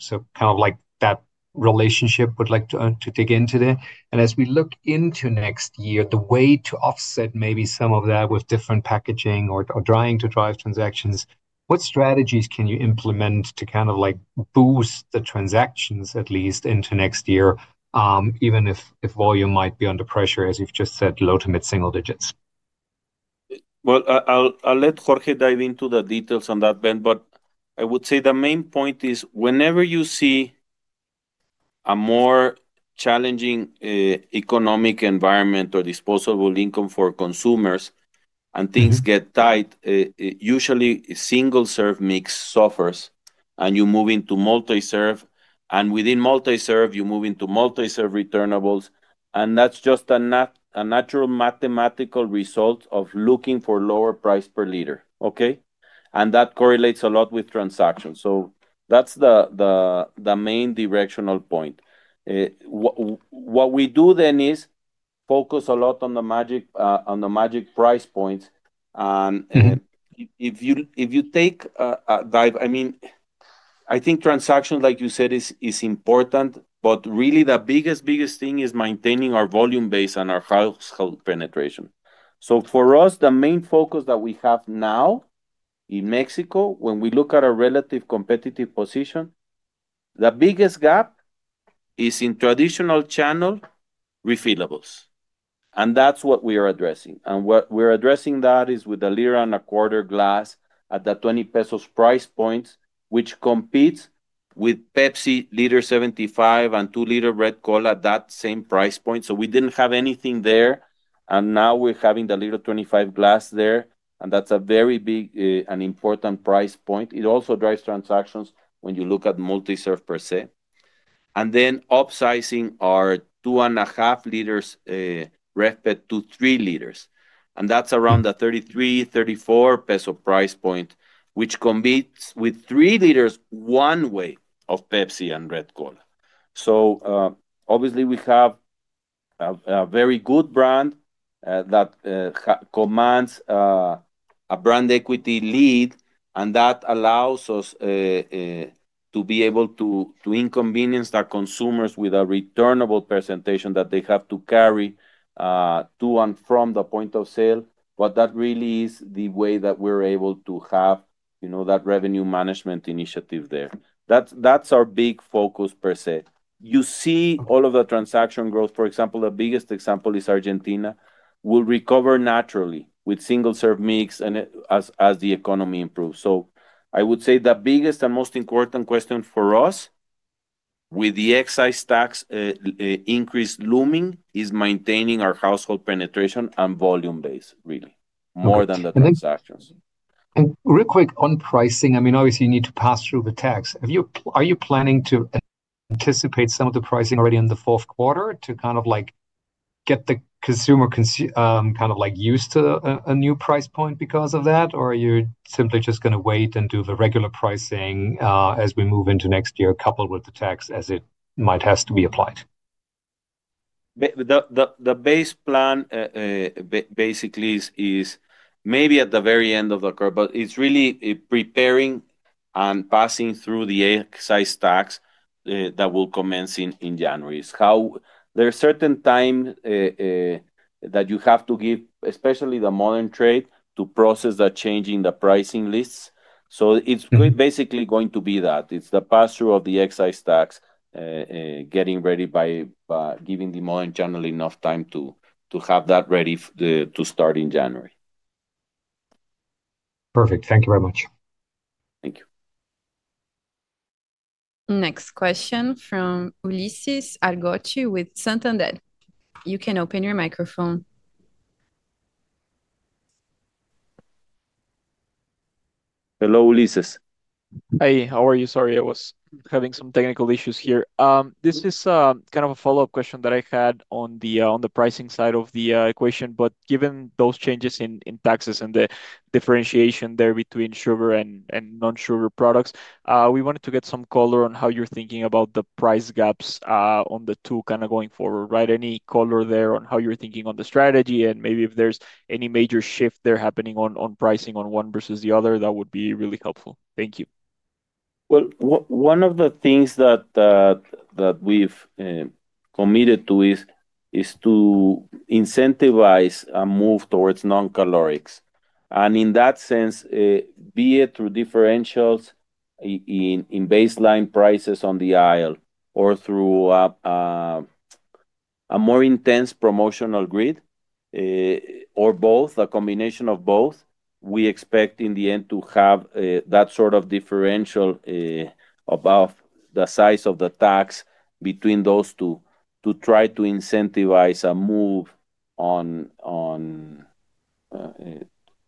H: That relationship, would like to dig into there. As we look into next year, the way to offset maybe some of that with different packaging or trying to drive transactions, what strategies can you implement to boost the transactions, at least, into next year, even if volume might be under pressure, as you've just said, low to mid-single digits?
C: I'll let Jorge dive into the details on that, Ben, but I would say the main point is whenever you see a more challenging economic environment or disposable income for consumers and things get tight, usually a single-serve mix suffers and you move into multi-serve. Within multi-serve, you move into multi-serve returnables. That's just a natural mathematical result of looking for lower price per liter, okay? That correlates a lot with transactions. That's the main directional point. What we do then is focus a lot on the magic price points. If you take a dive, I mean, I think transactions, like you said, is important, but really the biggest, biggest thing is maintaining our volume base and our household penetration. For us, the main focus that we have now in Mexico, when we look at our relative competitive position, the biggest gap is in traditional channel refillables. That's what we are addressing. What we're addressing that is with the liter and a quarter glass at the 20 pesos price points, which competes with Pepsi liter 75 and two liter Red Cola at that same price point. We didn't have anything there. Now we're having the liter 25 glass there. That's a very big and important price point. It also drives transactions when you look at multi-serve per se. Then upsizing our two and a half liters Red PET to three liters, and that's around the 33 peso, 34 peso price point, which competes with three liters one way of Pepsi and Red Bull. Obviously, we have a very good brand that commands a brand equity lead. That allows us to be able to inconvenience the consumers with a returnable presentation that they have to carry to and from the point of sale. That really is the way that we're able to have, you know, that revenue management initiative there. That's our big focus per se. You see all of the transaction growth. For example, the biggest example is Argentina. We'll recover naturally with single-serve mix and as the economy improves. I would say the biggest and most important question for us with the excise tax increase looming is maintaining our household penetration and volume base, really, more than the transactions.
H: Real quick on pricing, I mean, obviously, you need to pass through the tax. Are you planning to anticipate some of the pricing already in the fourth quarter to kind of like get the consumer kind of like used to a new price point because of that? Are you simply just going to wait and do the regular pricing as we move into next year, coupled with the tax as it might have to be applied?
C: The base plan basically is maybe at the very end of the curve, but it's really preparing and passing through the excise tax that will commence in January. There are certain times that you have to give, especially the modern trade, to process the change in the pricing lists. It's basically going to be that. It's the pass-through of the excise tax, getting ready by giving the modern channel enough time to have that ready to start in January.
H: Perfect. Thank you very much.
C: Thank you.
A: Next question from Ulises Argote with Santander. You can open your microphone.
C: Hello, Ulises.
I: Hi. How are you? Sorry, I was having some technical issues here. This is kind of a follow-up question that I had on the pricing side of the equation. Given those changes in taxes and the differentiation there between sugar and non-sugar products, we wanted to get some color on how you're thinking about the price gaps on the two going forward, right? Any color there on how you're thinking on the strategy? If there's any major shift there happening on pricing on one versus the other, that would be really helpful. Thank you.
C: One of the things that we've committed to is to incentivize a move towards non-calorics. In that sense, be it through differentials in baseline prices on the aisle or through a more intense promotional grid or both, a combination of both, we expect in the end to have that sort of differential above the size of the tax between those two to try to incentivize a move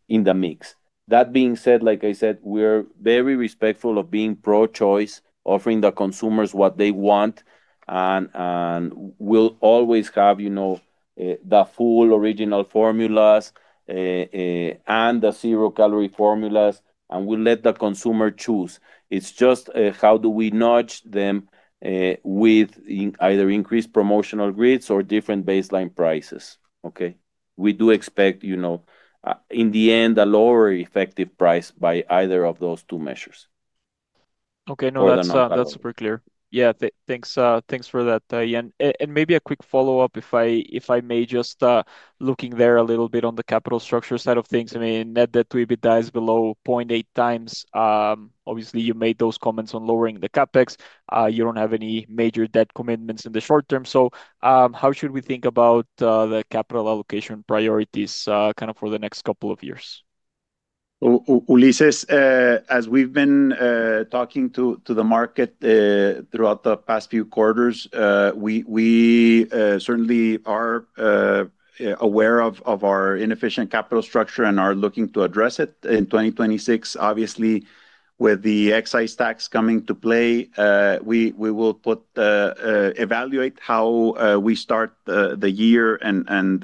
C: in the mix. That being said, like I said, we're very respectful of being pro-choice, offering the consumers what they want. We'll always have, you know, the full original formulas and the zero-calorie formulas, and we'll let the consumer choose. It's just how do we nudge them with either increased promotional grids or different baseline prices, okay? We do expect, you know, in the end, a lower effective price by either of those two measures.
I: Okay, no, that's super clear. Yeah, thanks for that, Ian. Maybe a quick follow-up, if I may, just looking there a little bit on the capital structure side of things. I mean, net debt to EBITDA is below 0.8x. Obviously, you made those comments on lowering the CapEx. You don't have any major debt commitments in the short term. How should we think about the capital allocation priorities kind of for the next couple of years?
D: Ulises, as we've been talking to the market throughout the past few quarters, we certainly are aware of our inefficient capital structure and are looking to address it in 2026. Obviously, with the excise tax coming to play, we will evaluate how we start the year and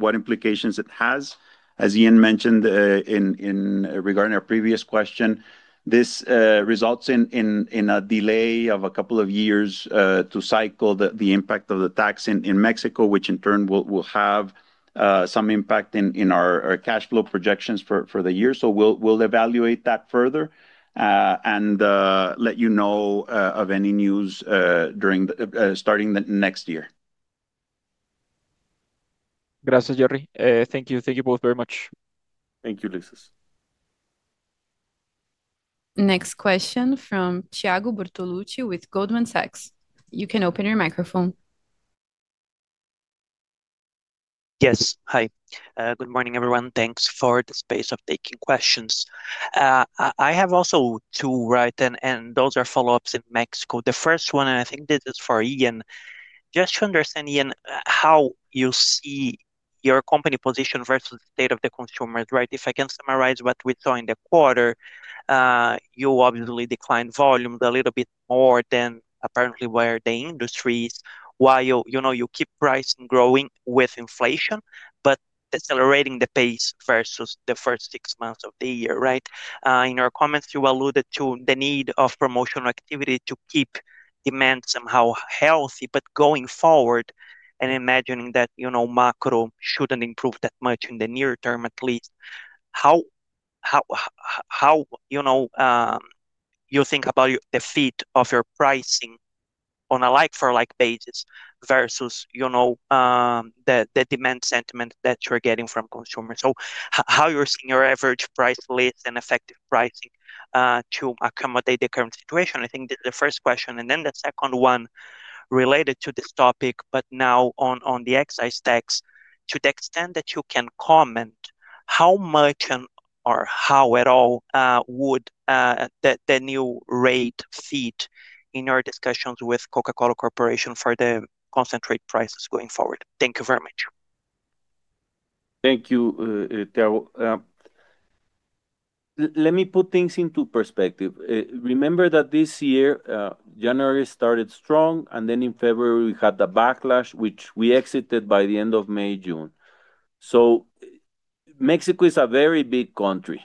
D: what implications it has. As Ian mentioned regarding our previous question, this results in a delay of a couple of years to cycle the impact of the tax in Mexico, which in turn will have some impact in our cash flow projections for the year. We'll evaluate that further and let you know of any news starting the next year.
I: Gracias, Gerardo. Thank you. Thank you both very much.
C: Thank you, Ulises.
A: Next question from Thiago Bertolucci with Goldman Sachs. You can open your microphone.
J: Yes, hi. Good morning, everyone. Thanks for the space of taking questions. I have also two, right? Those are follow-ups in Mexico. The first one, and I think this is for Ian, just to understand, Ian, how you see your company position versus the state of the consumers, right? If I can summarize what we saw in the quarter, you obviously declined volumes a little bit more than apparently were the industry's, while you know you keep pricing growing with inflation, but accelerating the pace versus the first six months of the year, right? In your comments, you alluded to the need of promotional activity to keep demand somehow healthy. Going forward and imagining that, you know, macro shouldn't improve that much in the near term, at least, how you think about the fit of your pricing on a like-for-like basis versus, you know, the demand sentiment that you're getting from consumers? How you're seeing your average price list and effective pricing to accommodate the current situation? I think this is the first question. The second one related to this topic, but now on the excise tax, to the extent that you can comment, how much or how at all would the new rate fit in your discussions with Coca-Cola Corporation for the concentrate prices going forward? Thank you very much.
C: Thank you, Thiago. Let me put things into perspective. Remember that this year, January started strong, and then in February, we had the backlash, which we exited by the end of May, June. Mexico is a very big country,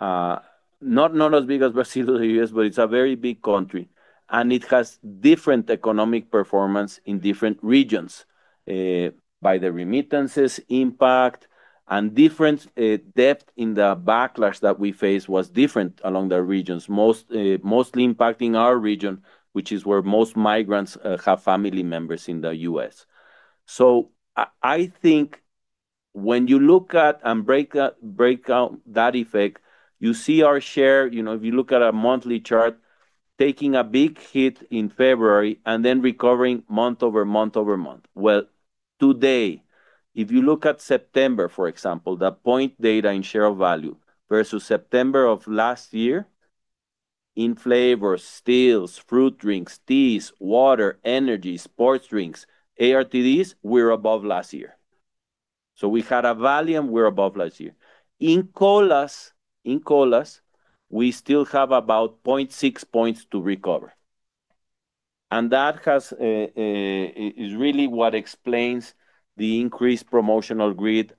C: not as big as Brazil or the U.S., but it's a very big country. It has different economic performance in different regions. By the remittances impact and different depth in the backlash that we faced was different among the regions, mostly impacting our region, which is where most migrants have family members in the U.S. I think when you look at and break out that effect, you see our share, you know, if you look at a monthly chart, taking a big hit in February and then recovering month over month over month. If you look at September, for example, the point data in share of value versus September of last year, in flavors, stills, fruit drinks, teas, water, energy, sports drinks, ARTDs, we're above last year. We had a value and we're above last year. In colas, we still have about 0.6 points to recover. That is really what explains the increased promotional grid.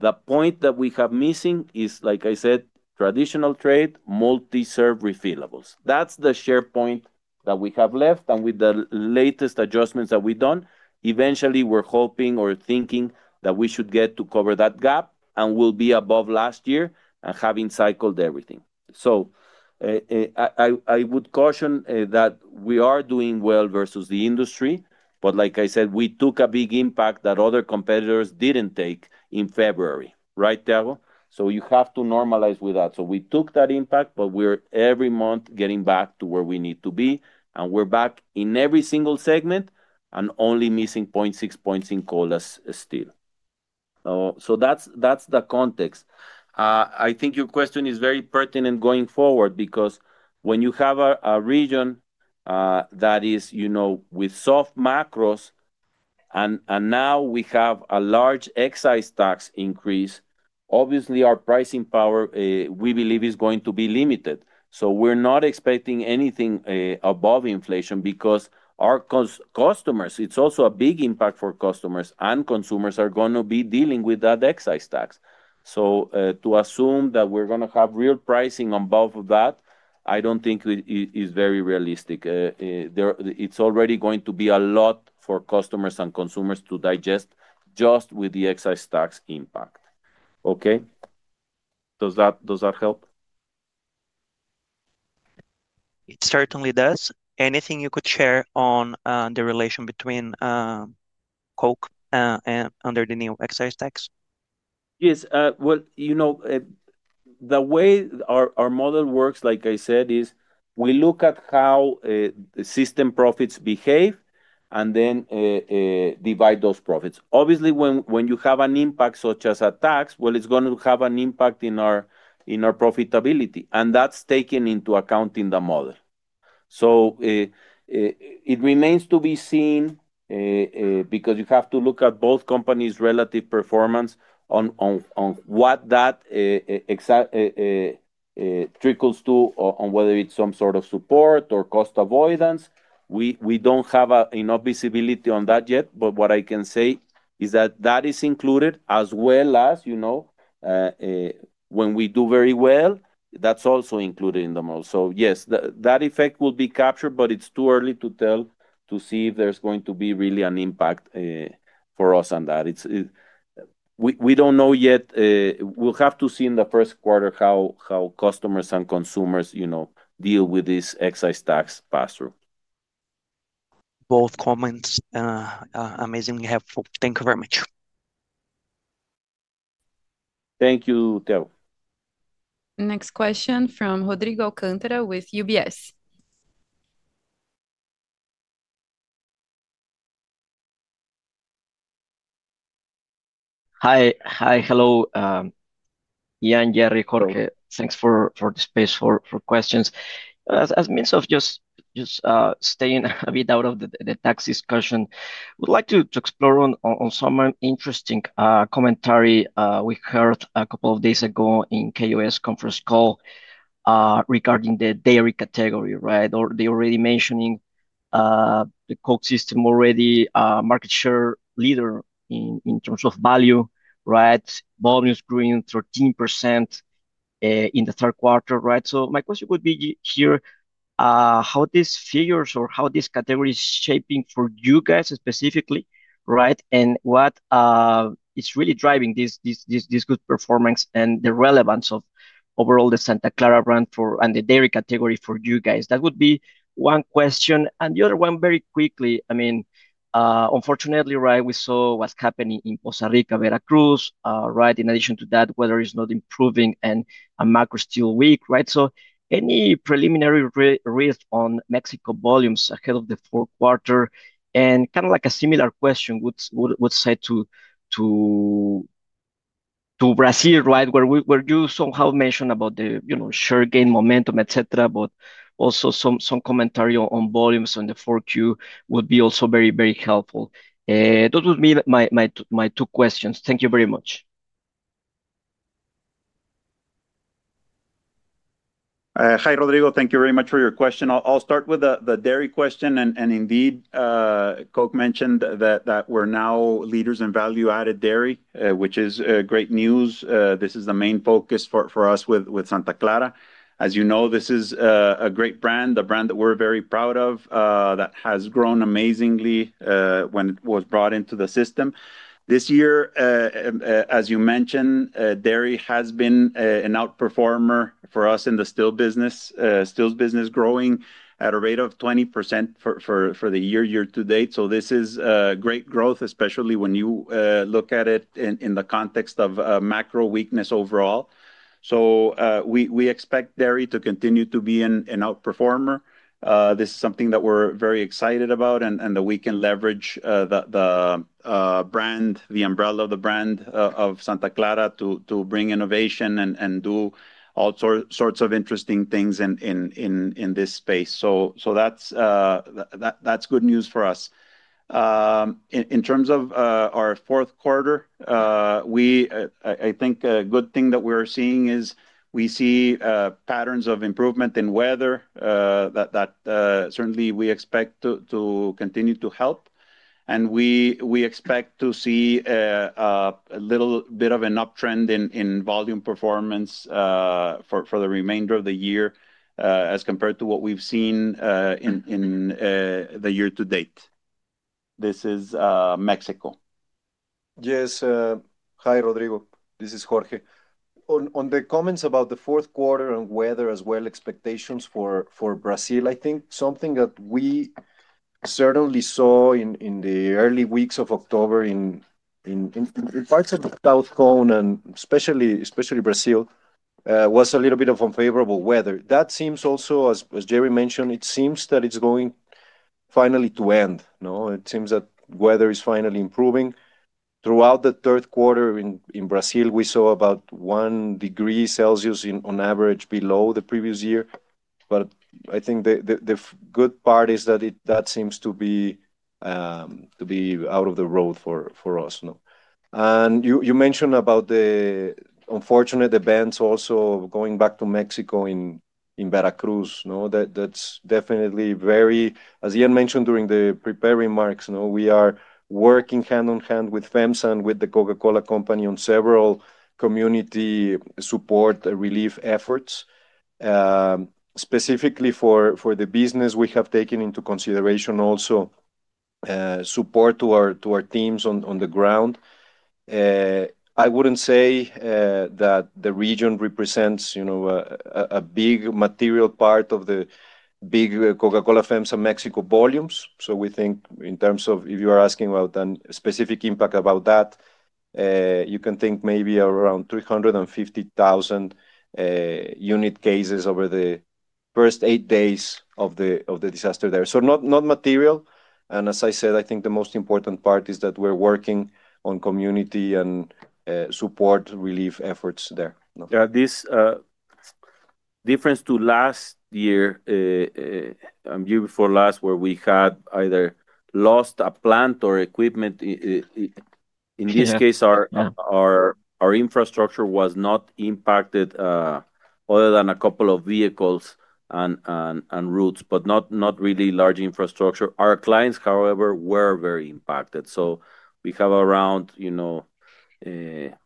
C: The point that we have missing is, like I said, traditional trade, multi-serve refillables. That's the share point that we have left. With the latest adjustments that we've done, eventually, we're hoping or thinking that we should get to cover that gap and we'll be above last year and having cycled everything. I would caution that we are doing well versus the industry, but like I said, we took a big impact that other competitors didn't take in February, right, Thiago? You have to normalize with that. We took that impact, but we're every month getting back to where we need to be. We're back in every single segment and only missing 0.6 points in colas still. That's the context. I think your question is very pertinent going forward because when you have a region that is, you know, with soft macros and now we have a large excise tax increase, obviously, our pricing power, we believe, is going to be limited. We're not expecting anything above inflation because our customers, it's also a big impact for customers, and consumers are going to be dealing with that excise tax. To assume that we're going to have real pricing on both of that, I don't think it is very realistic. It's already going to be a lot for customers and consumers to digest just with the excise tax impact. Okay? Does that help?
J: It certainly does. Anything you could share on the relation between Coca-Cola FEMSA and under the new excise tax?
D: Yes. You know, the way our model works, like I said, is we look at how the system profits behave and then divide those profits. Obviously, when you have an impact such as a tax, it's going to have an impact in our profitability. That's taken into account in the model. It remains to be seen because you have to look at both companies' relative performance on what that trickles to, on whether it's some sort of support or cost avoidance. We don't have enough visibility on that yet, but what I can say is that that is included as well as, you know, when we do very well, that's also included in the model. Yes, that effect will be captured, but it's too early to tell to see if there's going to be really an impact for us on that. We don't know yet. We'll have to see in the first quarter how customers and consumers, you know, deal with this excise tax pass-through.
J: Both comments are amazingly helpful. Thank you very much.
D: Thank you, Thiago.
A: Next question from Rodrigo Alcantara with UBS.
K: Hi, hello. Ian, Gerardo, Jorge, thanks for the space for questions. As a means of just staying a bit out of the tax discussion, I would like to explore on some interesting commentary we heard a couple of days ago in KOS conference call regarding the dairy category, right? They're already mentioning the Coke system already market share leader in terms of value, right? Volume is growing 13% in the third quarter, right? My question would be here, how these figures or how this category is shaping for you guys specifically, right? What is really driving this good performance and the relevance of overall the Santa Clara brand and the dairy category for you guys? That would be one question. The other one very quickly. Unfortunately, right, we saw what's happening in Costa Rica, Veracruz, right? In addition to that, weather is not improving and a macro is still weak, right? Any preliminary risk on Mexico volumes ahead of the fourth quarter? Kind of like a similar question would say to Brazil, right? Where you somehow mentioned about the share gain momentum, et cetera, but also some commentary on volumes on the fourth Q would be also very, very helpful. Those would be my two questions. Thank you very much.
C: Hi, Rodrigo. Thank you very much for your question. I'll start with the dairy question. Indeed, Coke mentioned that we're now leaders in value-added dairy, which is great news. This is the main focus for us with Santa Clara. As you know, this is a great brand, a brand that we're very proud of, that has grown amazingly when it was brought into the system. This year, as you mentioned, dairy has been an outperformer for us in the still business. Stills business is growing at a rate of 20% for the year, year to date. This is great growth, especially when you look at it in the context of macro weakness overall. We expect dairy to continue to be an outperformer. This is something that we're very excited about and that we can leverage the umbrella of the brand of Santa Clara to bring innovation and do all sorts of interesting things in this space. That's good news for us. In terms of our fourth quarter, I think a good thing that we are seeing is we see patterns of improvement in weather that certainly we expect to continue to help. We expect to see a little bit of an uptrend in volume performance for the remainder of the year as compared to what we've seen in the year to date. This is Mexico.
B: Hi, Rodrigo. This is Jorge. On the comments about the fourth quarter and weather as well, expectations for Brazil, I think something that we certainly saw in the early weeks of October in parts of the South Cone and especially Brazil was a little bit of unfavorable weather. That seems also, as Gerardo mentioned, it seems that it's going finally to end. It seems that weather is finally improving. Throughout the third quarter in Brazil, we saw about one degree Celsius on average below the previous year. I think the good part is that that seems to be out of the road for us. You mentioned about the unfortunate events also going back to Mexico in Veracruz. That's definitely very, as Ian mentioned during the preparing marks, we are working hand in hand with FEMSA and with The Coca-Cola Company on several community support and relief efforts. Specifically for the business, we have taken into consideration also support to our teams on the ground. I wouldn't say that the region represents a big material part of the big Coca-Cola FEMSA Mexico volumes. We think in terms of, if you are asking about a specific impact about that, you can think maybe around 350,000 unit cases over the first eight days of the disaster there. Not material. As I said, I think the most important part is that we're working on community and support relief efforts there.
D: Yeah. This is different to last year, or the year before last, where we had either lost a plant or equipment. In this case, our infrastructure was not impacted, other than a couple of vehicles and routes, but not really large infrastructure. Our clients, however, were very impacted. We have around 1,600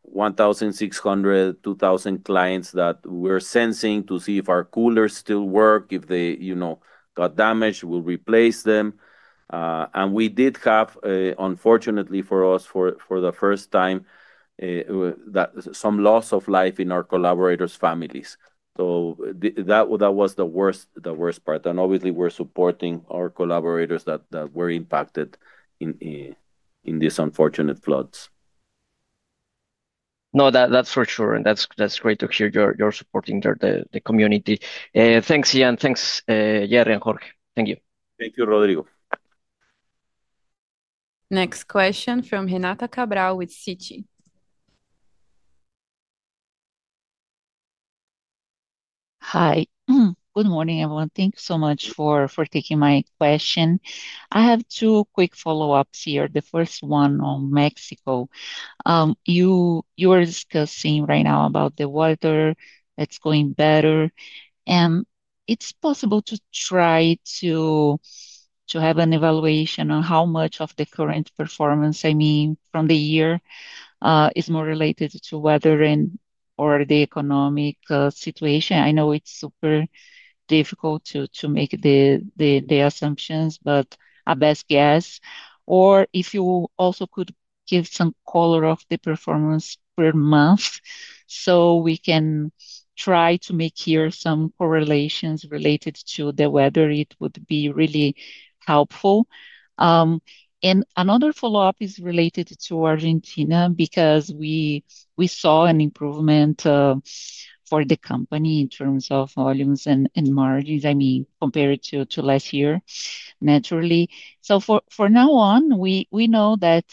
D: clients-2,000 clients that we're sensing to see if our coolers still work. If they, you know, got damaged, we'll replace them. Unfortunately for us, for the first time, we did have some loss of life in our collaborators' families. That was the worst part. Obviously, we're supporting our collaborators that were impacted in these unfortunate floods.
K: No, that's for sure. That's great to hear you're supporting the community. Thanks, Ian. Thanks, Gerardo and Jorge. Thank you.
D: Thank you, Rodrigo.
A: Next question from Renata Cabral with Citi.
L: Hi. Good morning, everyone. Thank you so much for taking my question. I have two quick follow-ups here. The first one on Mexico. You were discussing right now about the weather. It's going better. Is it possible to try to have an evaluation on how much of the current performance, I mean, from the year, is more related to weather and/or the economic situation? I know it's super difficult to make the assumptions, but a best guess. If you also could give some color of the performance per month so we can try to make here some correlations related to the weather, it would be really helpful. Another follow-up is related to Argentina because we saw an improvement for the company in terms of volumes and margins, I mean, compared to last year, naturally. For now on, we know that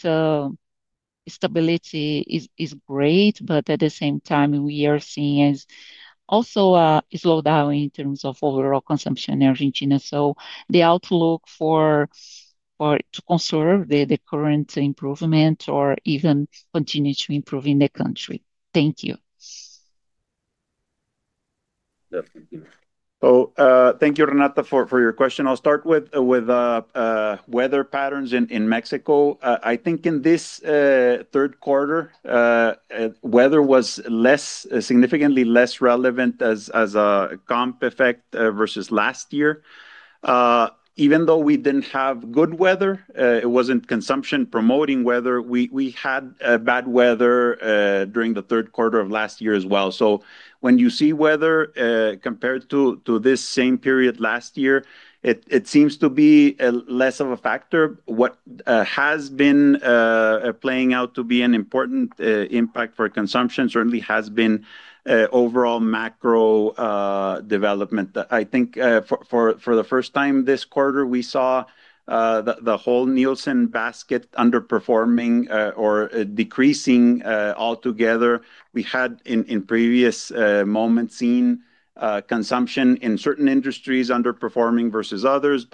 L: stability is great, but at the same time, we are seeing also a slowdown in terms of overall consumption in Argentina. The outlook for to conserve the current improvement or even continue to improve in the country. Thank you.
C: Definitely. Thank you, Renata, for your question. I'll start with weather patterns in Mexico. I think in this third quarter, weather was significantly less relevant as a comp effect versus last year. Even though we didn't have good weather, it wasn't consumption-promoting weather. We had bad weather during the third quarter of last year as well. When you see weather compared to this same period last year, it seems to be less of a factor. What has been playing out to be an important impact for consumption certainly has been overall macro development. I think for the first time this quarter, we saw the whole Nielsen basket underperforming or decreasing altogether. We had in previous moments seen consumption in certain industries underperforming versus others.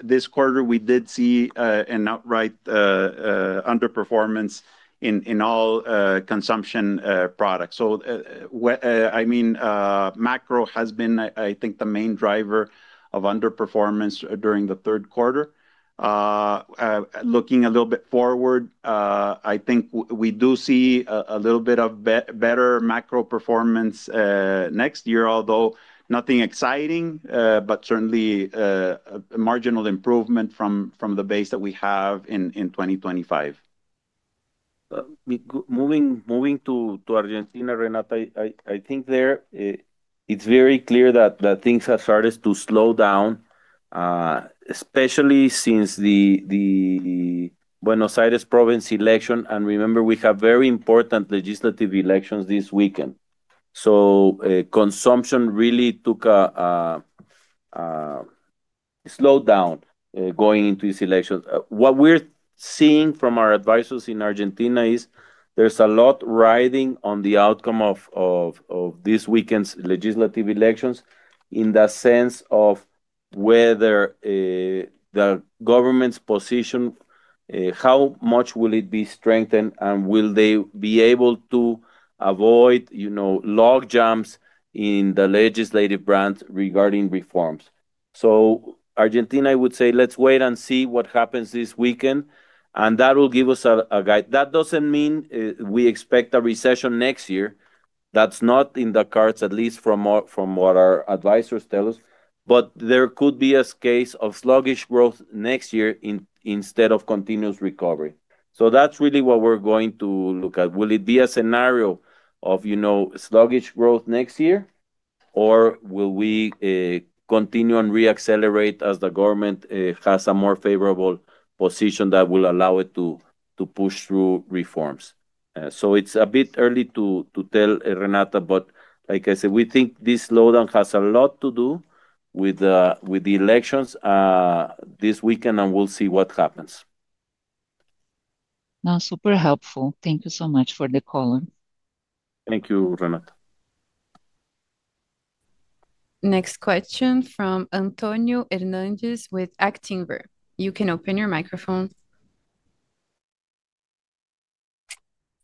C: This quarter, we did see an outright underperformance in all consumption products. Macro has been, I think, the main driver of underperformance during the third quarter. Looking a little bit forward, I think we do see a little bit of better macro performance next year, although nothing exciting, but certainly a marginal improvement from the base that we have in 2025.
D: Moving to Argentina, Renata, I think there it's very clear that things have started to slow down, especially since the Buenos Aires province election. Remember, we have very important legislative elections this weekend. Consumption really took a slowdown going into these elections. What we're seeing from our advisors in Argentina is there's a lot riding on the outcome of this weekend's legislative elections in the sense of whether the government's position, how much will it be strengthened, and will they be able to avoid logjams in the legislative branch regarding reforms. Argentina, I would say, let's wait and see what happens this weekend. That will give us a guide. That doesn't mean we expect a recession next year. That's not in the cards, at least from what our advisors tell us. There could be a case of sluggish growth next year instead of continuous recovery. That's really what we're going to look at. Will it be a scenario of sluggish growth next year, or will we continue and reaccelerate as the government has a more favorable position that will allow it to push through reforms? It's a bit early to tell, Renata, but like I said, we think this slowdown has a lot to do with the elections this weekend, and we'll see what happens.
L: No, super helpful. Thank you so much for the color.
D: Thank you, Renata.
A: Next question from Antonio Hernandez with Actinver. You can open your microphone.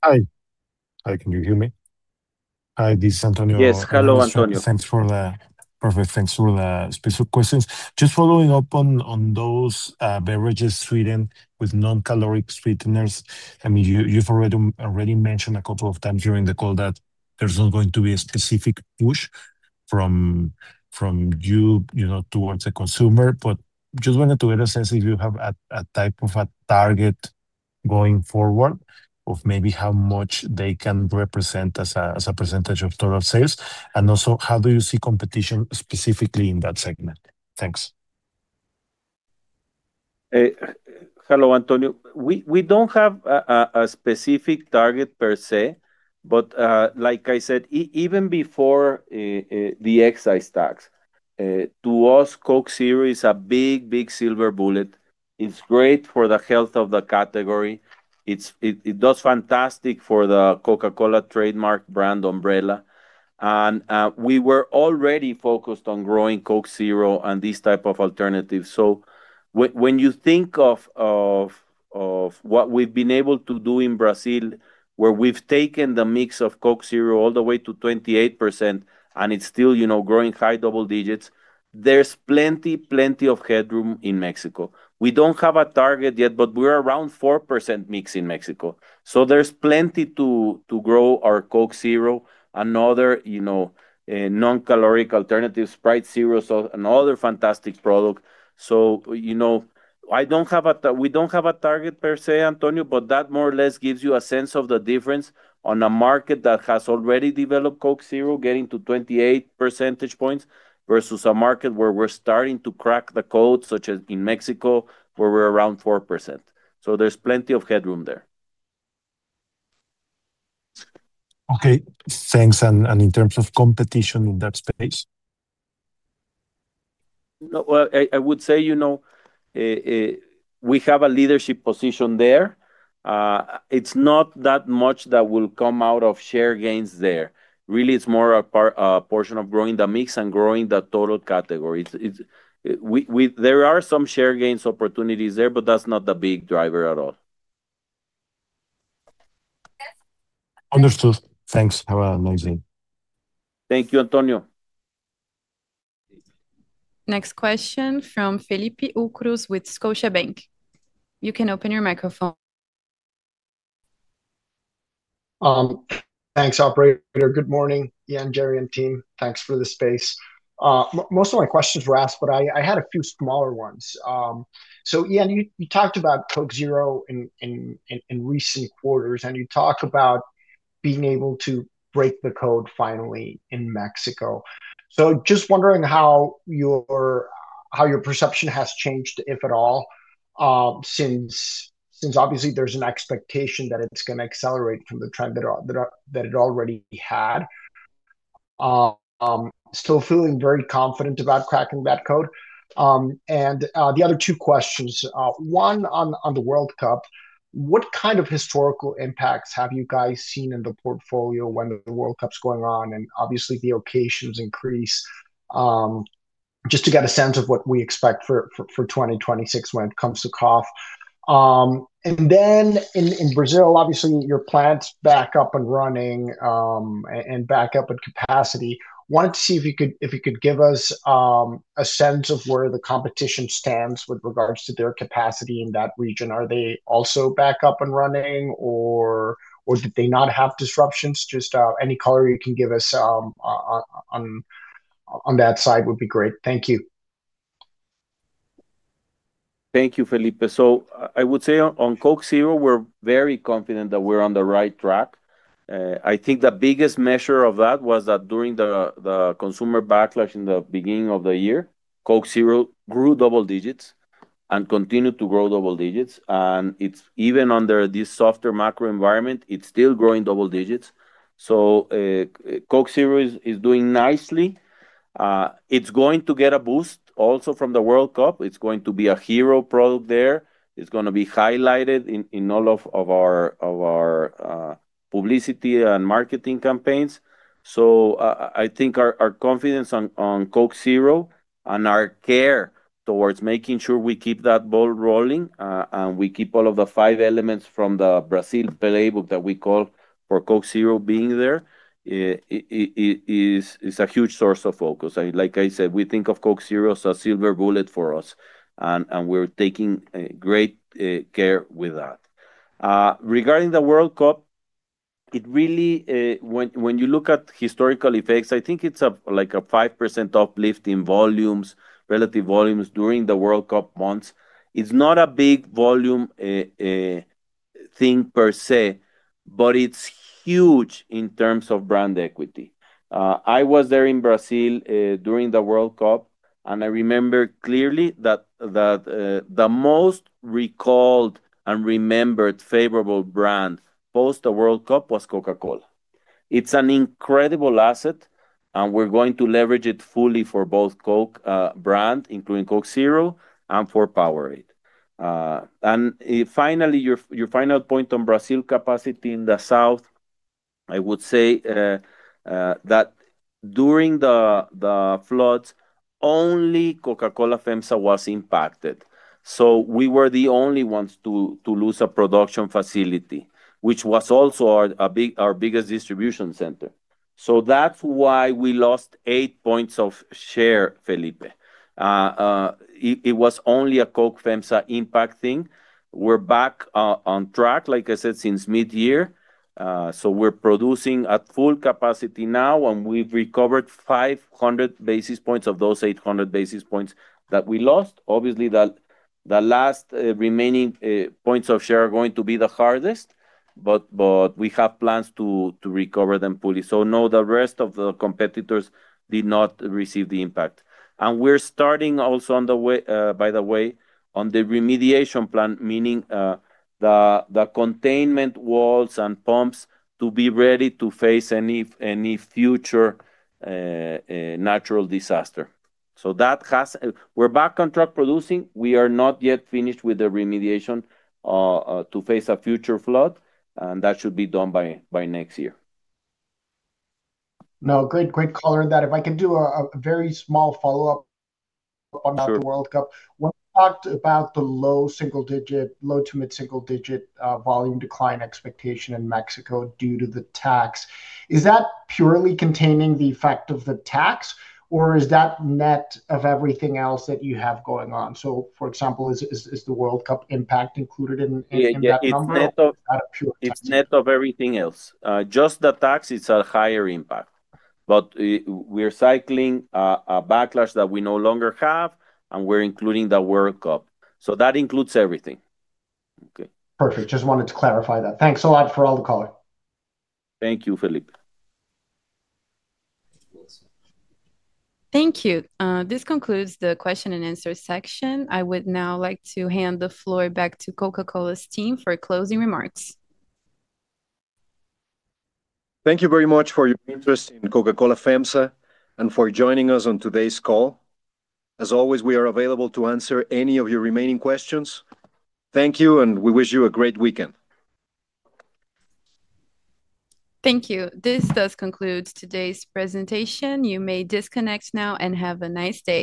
M: Hi, can you hear me? Hi, this is Antonio Hernandez.
C: Yes, hello, Antonio.
M: Thanks for the special questions. Just following up on those beverages sweetened with non-caloric sweeteners. I mean, you've already mentioned a couple of times during the call that there's not going to be a specific push from you towards the consumer. Just wanted to get a sense if you have a type of a target going forward of maybe how much they can represent as a percentage of total sales. Also, how do you see competition specifically in that segment? Thanks.
C: Hello, Antonio. We don't have a specific target per se, but like I said, even before the excise tax, to us, Coke Zero is a big, big silver bullet. It's great for the health of the category. It does fantastic for the Coca-Cola trademark brand umbrella. We were already focused on growing CoZero and this type of alternative. When you think of what we've been able to do in Brazil, where we've taken the mix of Coke Zero all the way to 28%, and it's still growing high double digits, there's plenty, plenty of headroom in Mexico. We don't have a target yet, but we're around 4% mix in Mexico. There's plenty to grow our Coke Zero, another non-caloric alternative, Sprite Zero, and other fantastic products. We don't have a target per se, Antonio, but that more or less gives you a sense of the difference on a market that has already developed Coke Zero, getting to 28%, versus a market where we're starting to crack the code, such as in Mexico, where we're around 4%. There's plenty of headroom there.
M: Okay, thanks. In terms of competition in that space?
C: We have a leadership position there. It's not that much that will come out of share gains there. Really, it's more a portion of growing the mix and growing the total category. There are some share gains opportunities there, but that's not the big driver at all.
M: Understood. Thanks. Have a nice day.
C: Thank you, Antonio.
A: Next question from Felipe Ucros with Scotiabank. You can open your microphone.
N: Thanks, operator. Good morning, Ian, Gerardo, and team. Thanks for the space. Most of my questions were asked, but I had a few smaller ones. Ian, you talked about Coke Zero in recent quarters, and you talk about being able to break the code finally in Mexico. Just wondering how your perception has changed, if at all, since obviously there's an expectation that it's going to accelerate from the trend that it already had. Still feeling very confident about cracking that code. The other two questions, one on the World Cup. What kind of historical impacts have you guys seen in the portfolio when the World Cup's going on and obviously the occasions increase? Just to get a sense of what we expect for 2026 when it comes to Coke. In Brazil, obviously, your plants back up and running and back up at capacity. Wanted to see if you could give us a sense of where the competition stands with regards to their capacity in that region. Are they also back up and running or did they not have disruptions? Any color you can give us on that side would be great. Thank you.
C: Thank you, Felipe. I would say on Coke Zero, we're very confident that we're on the right track. I think the biggest measure of that was that during the consumer backlash in the beginning of the year, Coke Zero grew double digits and continued to grow double digits. It's even under this softer macro environment, it's still growing double digits. Coke Zero is doing nicely. It's going to get a boost also from the World Cup. It's going to be a hero product there. It's going to be highlighted in all of our publicity and marketing campaigns. I think our confidence on Coke Zero and our care towards making sure we keep that ball rolling and we keep all of the five elements from the Brazil playbook that we call for Coke Zero being there is a huge source of focus. Like I said, we think of Coke Zero as a silver bullet for us, and we're taking great care with that. Regarding the World Cup, when you look at historical effects, I think it's like a 5% uplift in relative volumes during the World Cup months. It's not a big volume thing per se, but it's huge in terms of brand equity. I was there in Brazil during the World Cup, and I remember clearly that the most recalled and remembered favorable brand post the World Cup was Coca-Cola. It's an incredible asset, and we're going to leverage it fully for both Coke brands, including Coke Zero, and for Powerade. Finally, your final point on Brazil capacity in the South, I would say that during the floods, only Coca-Cola FEMSA was impacted. We were the only ones to lose a production facility, which was also our biggest distribution center. That's why we lost eight points of share, Felipe. It was only a Coke FEMSA impact thing. We're back on track, like I said, since mid-year. We're producing at full capacity now, and we've recovered 500 basis points of those 800 basis points that we lost. Obviously, the last remaining points of share are going to be the hardest, but we have plans to recover them fully. The rest of the competitors did not receive the impact. We're starting also, by the way, on the remediation plan, meaning the containment walls and pumps to be ready to face any future natural disaster. We're back on track producing. We are not yet finished with the remediation to face a future flood, and that should be done by next year.
N: Great caller. If I can do a very small follow-up on the World Cup. When we talked about the low single-digit, low to mid-single-digit volume decline expectation in Mexico due to the tax, is that purely containing the effect of the tax, or is that net of everything else that you have going on? For example, is the World Cup impact included in that number?
C: It's net of everything else. Just the tax, it's a higher impact. We're cycling a backlash that we no longer have, and we're including the World Cup. That includes everything.
N: Perfect. Just wanted to clarify that. Thanks a lot for all the color.
C: Thank you, Felipe.
A: Thank you. This concludes the question and answer section. I would now like to hand the floor back to Coca-Cola's team for closing remarks.
B: Thank you very much for your interest in Coca-Cola FEMSA and for joining us on today's call. As always, we are available to answer any of your remaining questions. Thank you, and we wish you a great weekend.
A: Thank you. This does conclude today's presentation. You may disconnect now and have a nice day.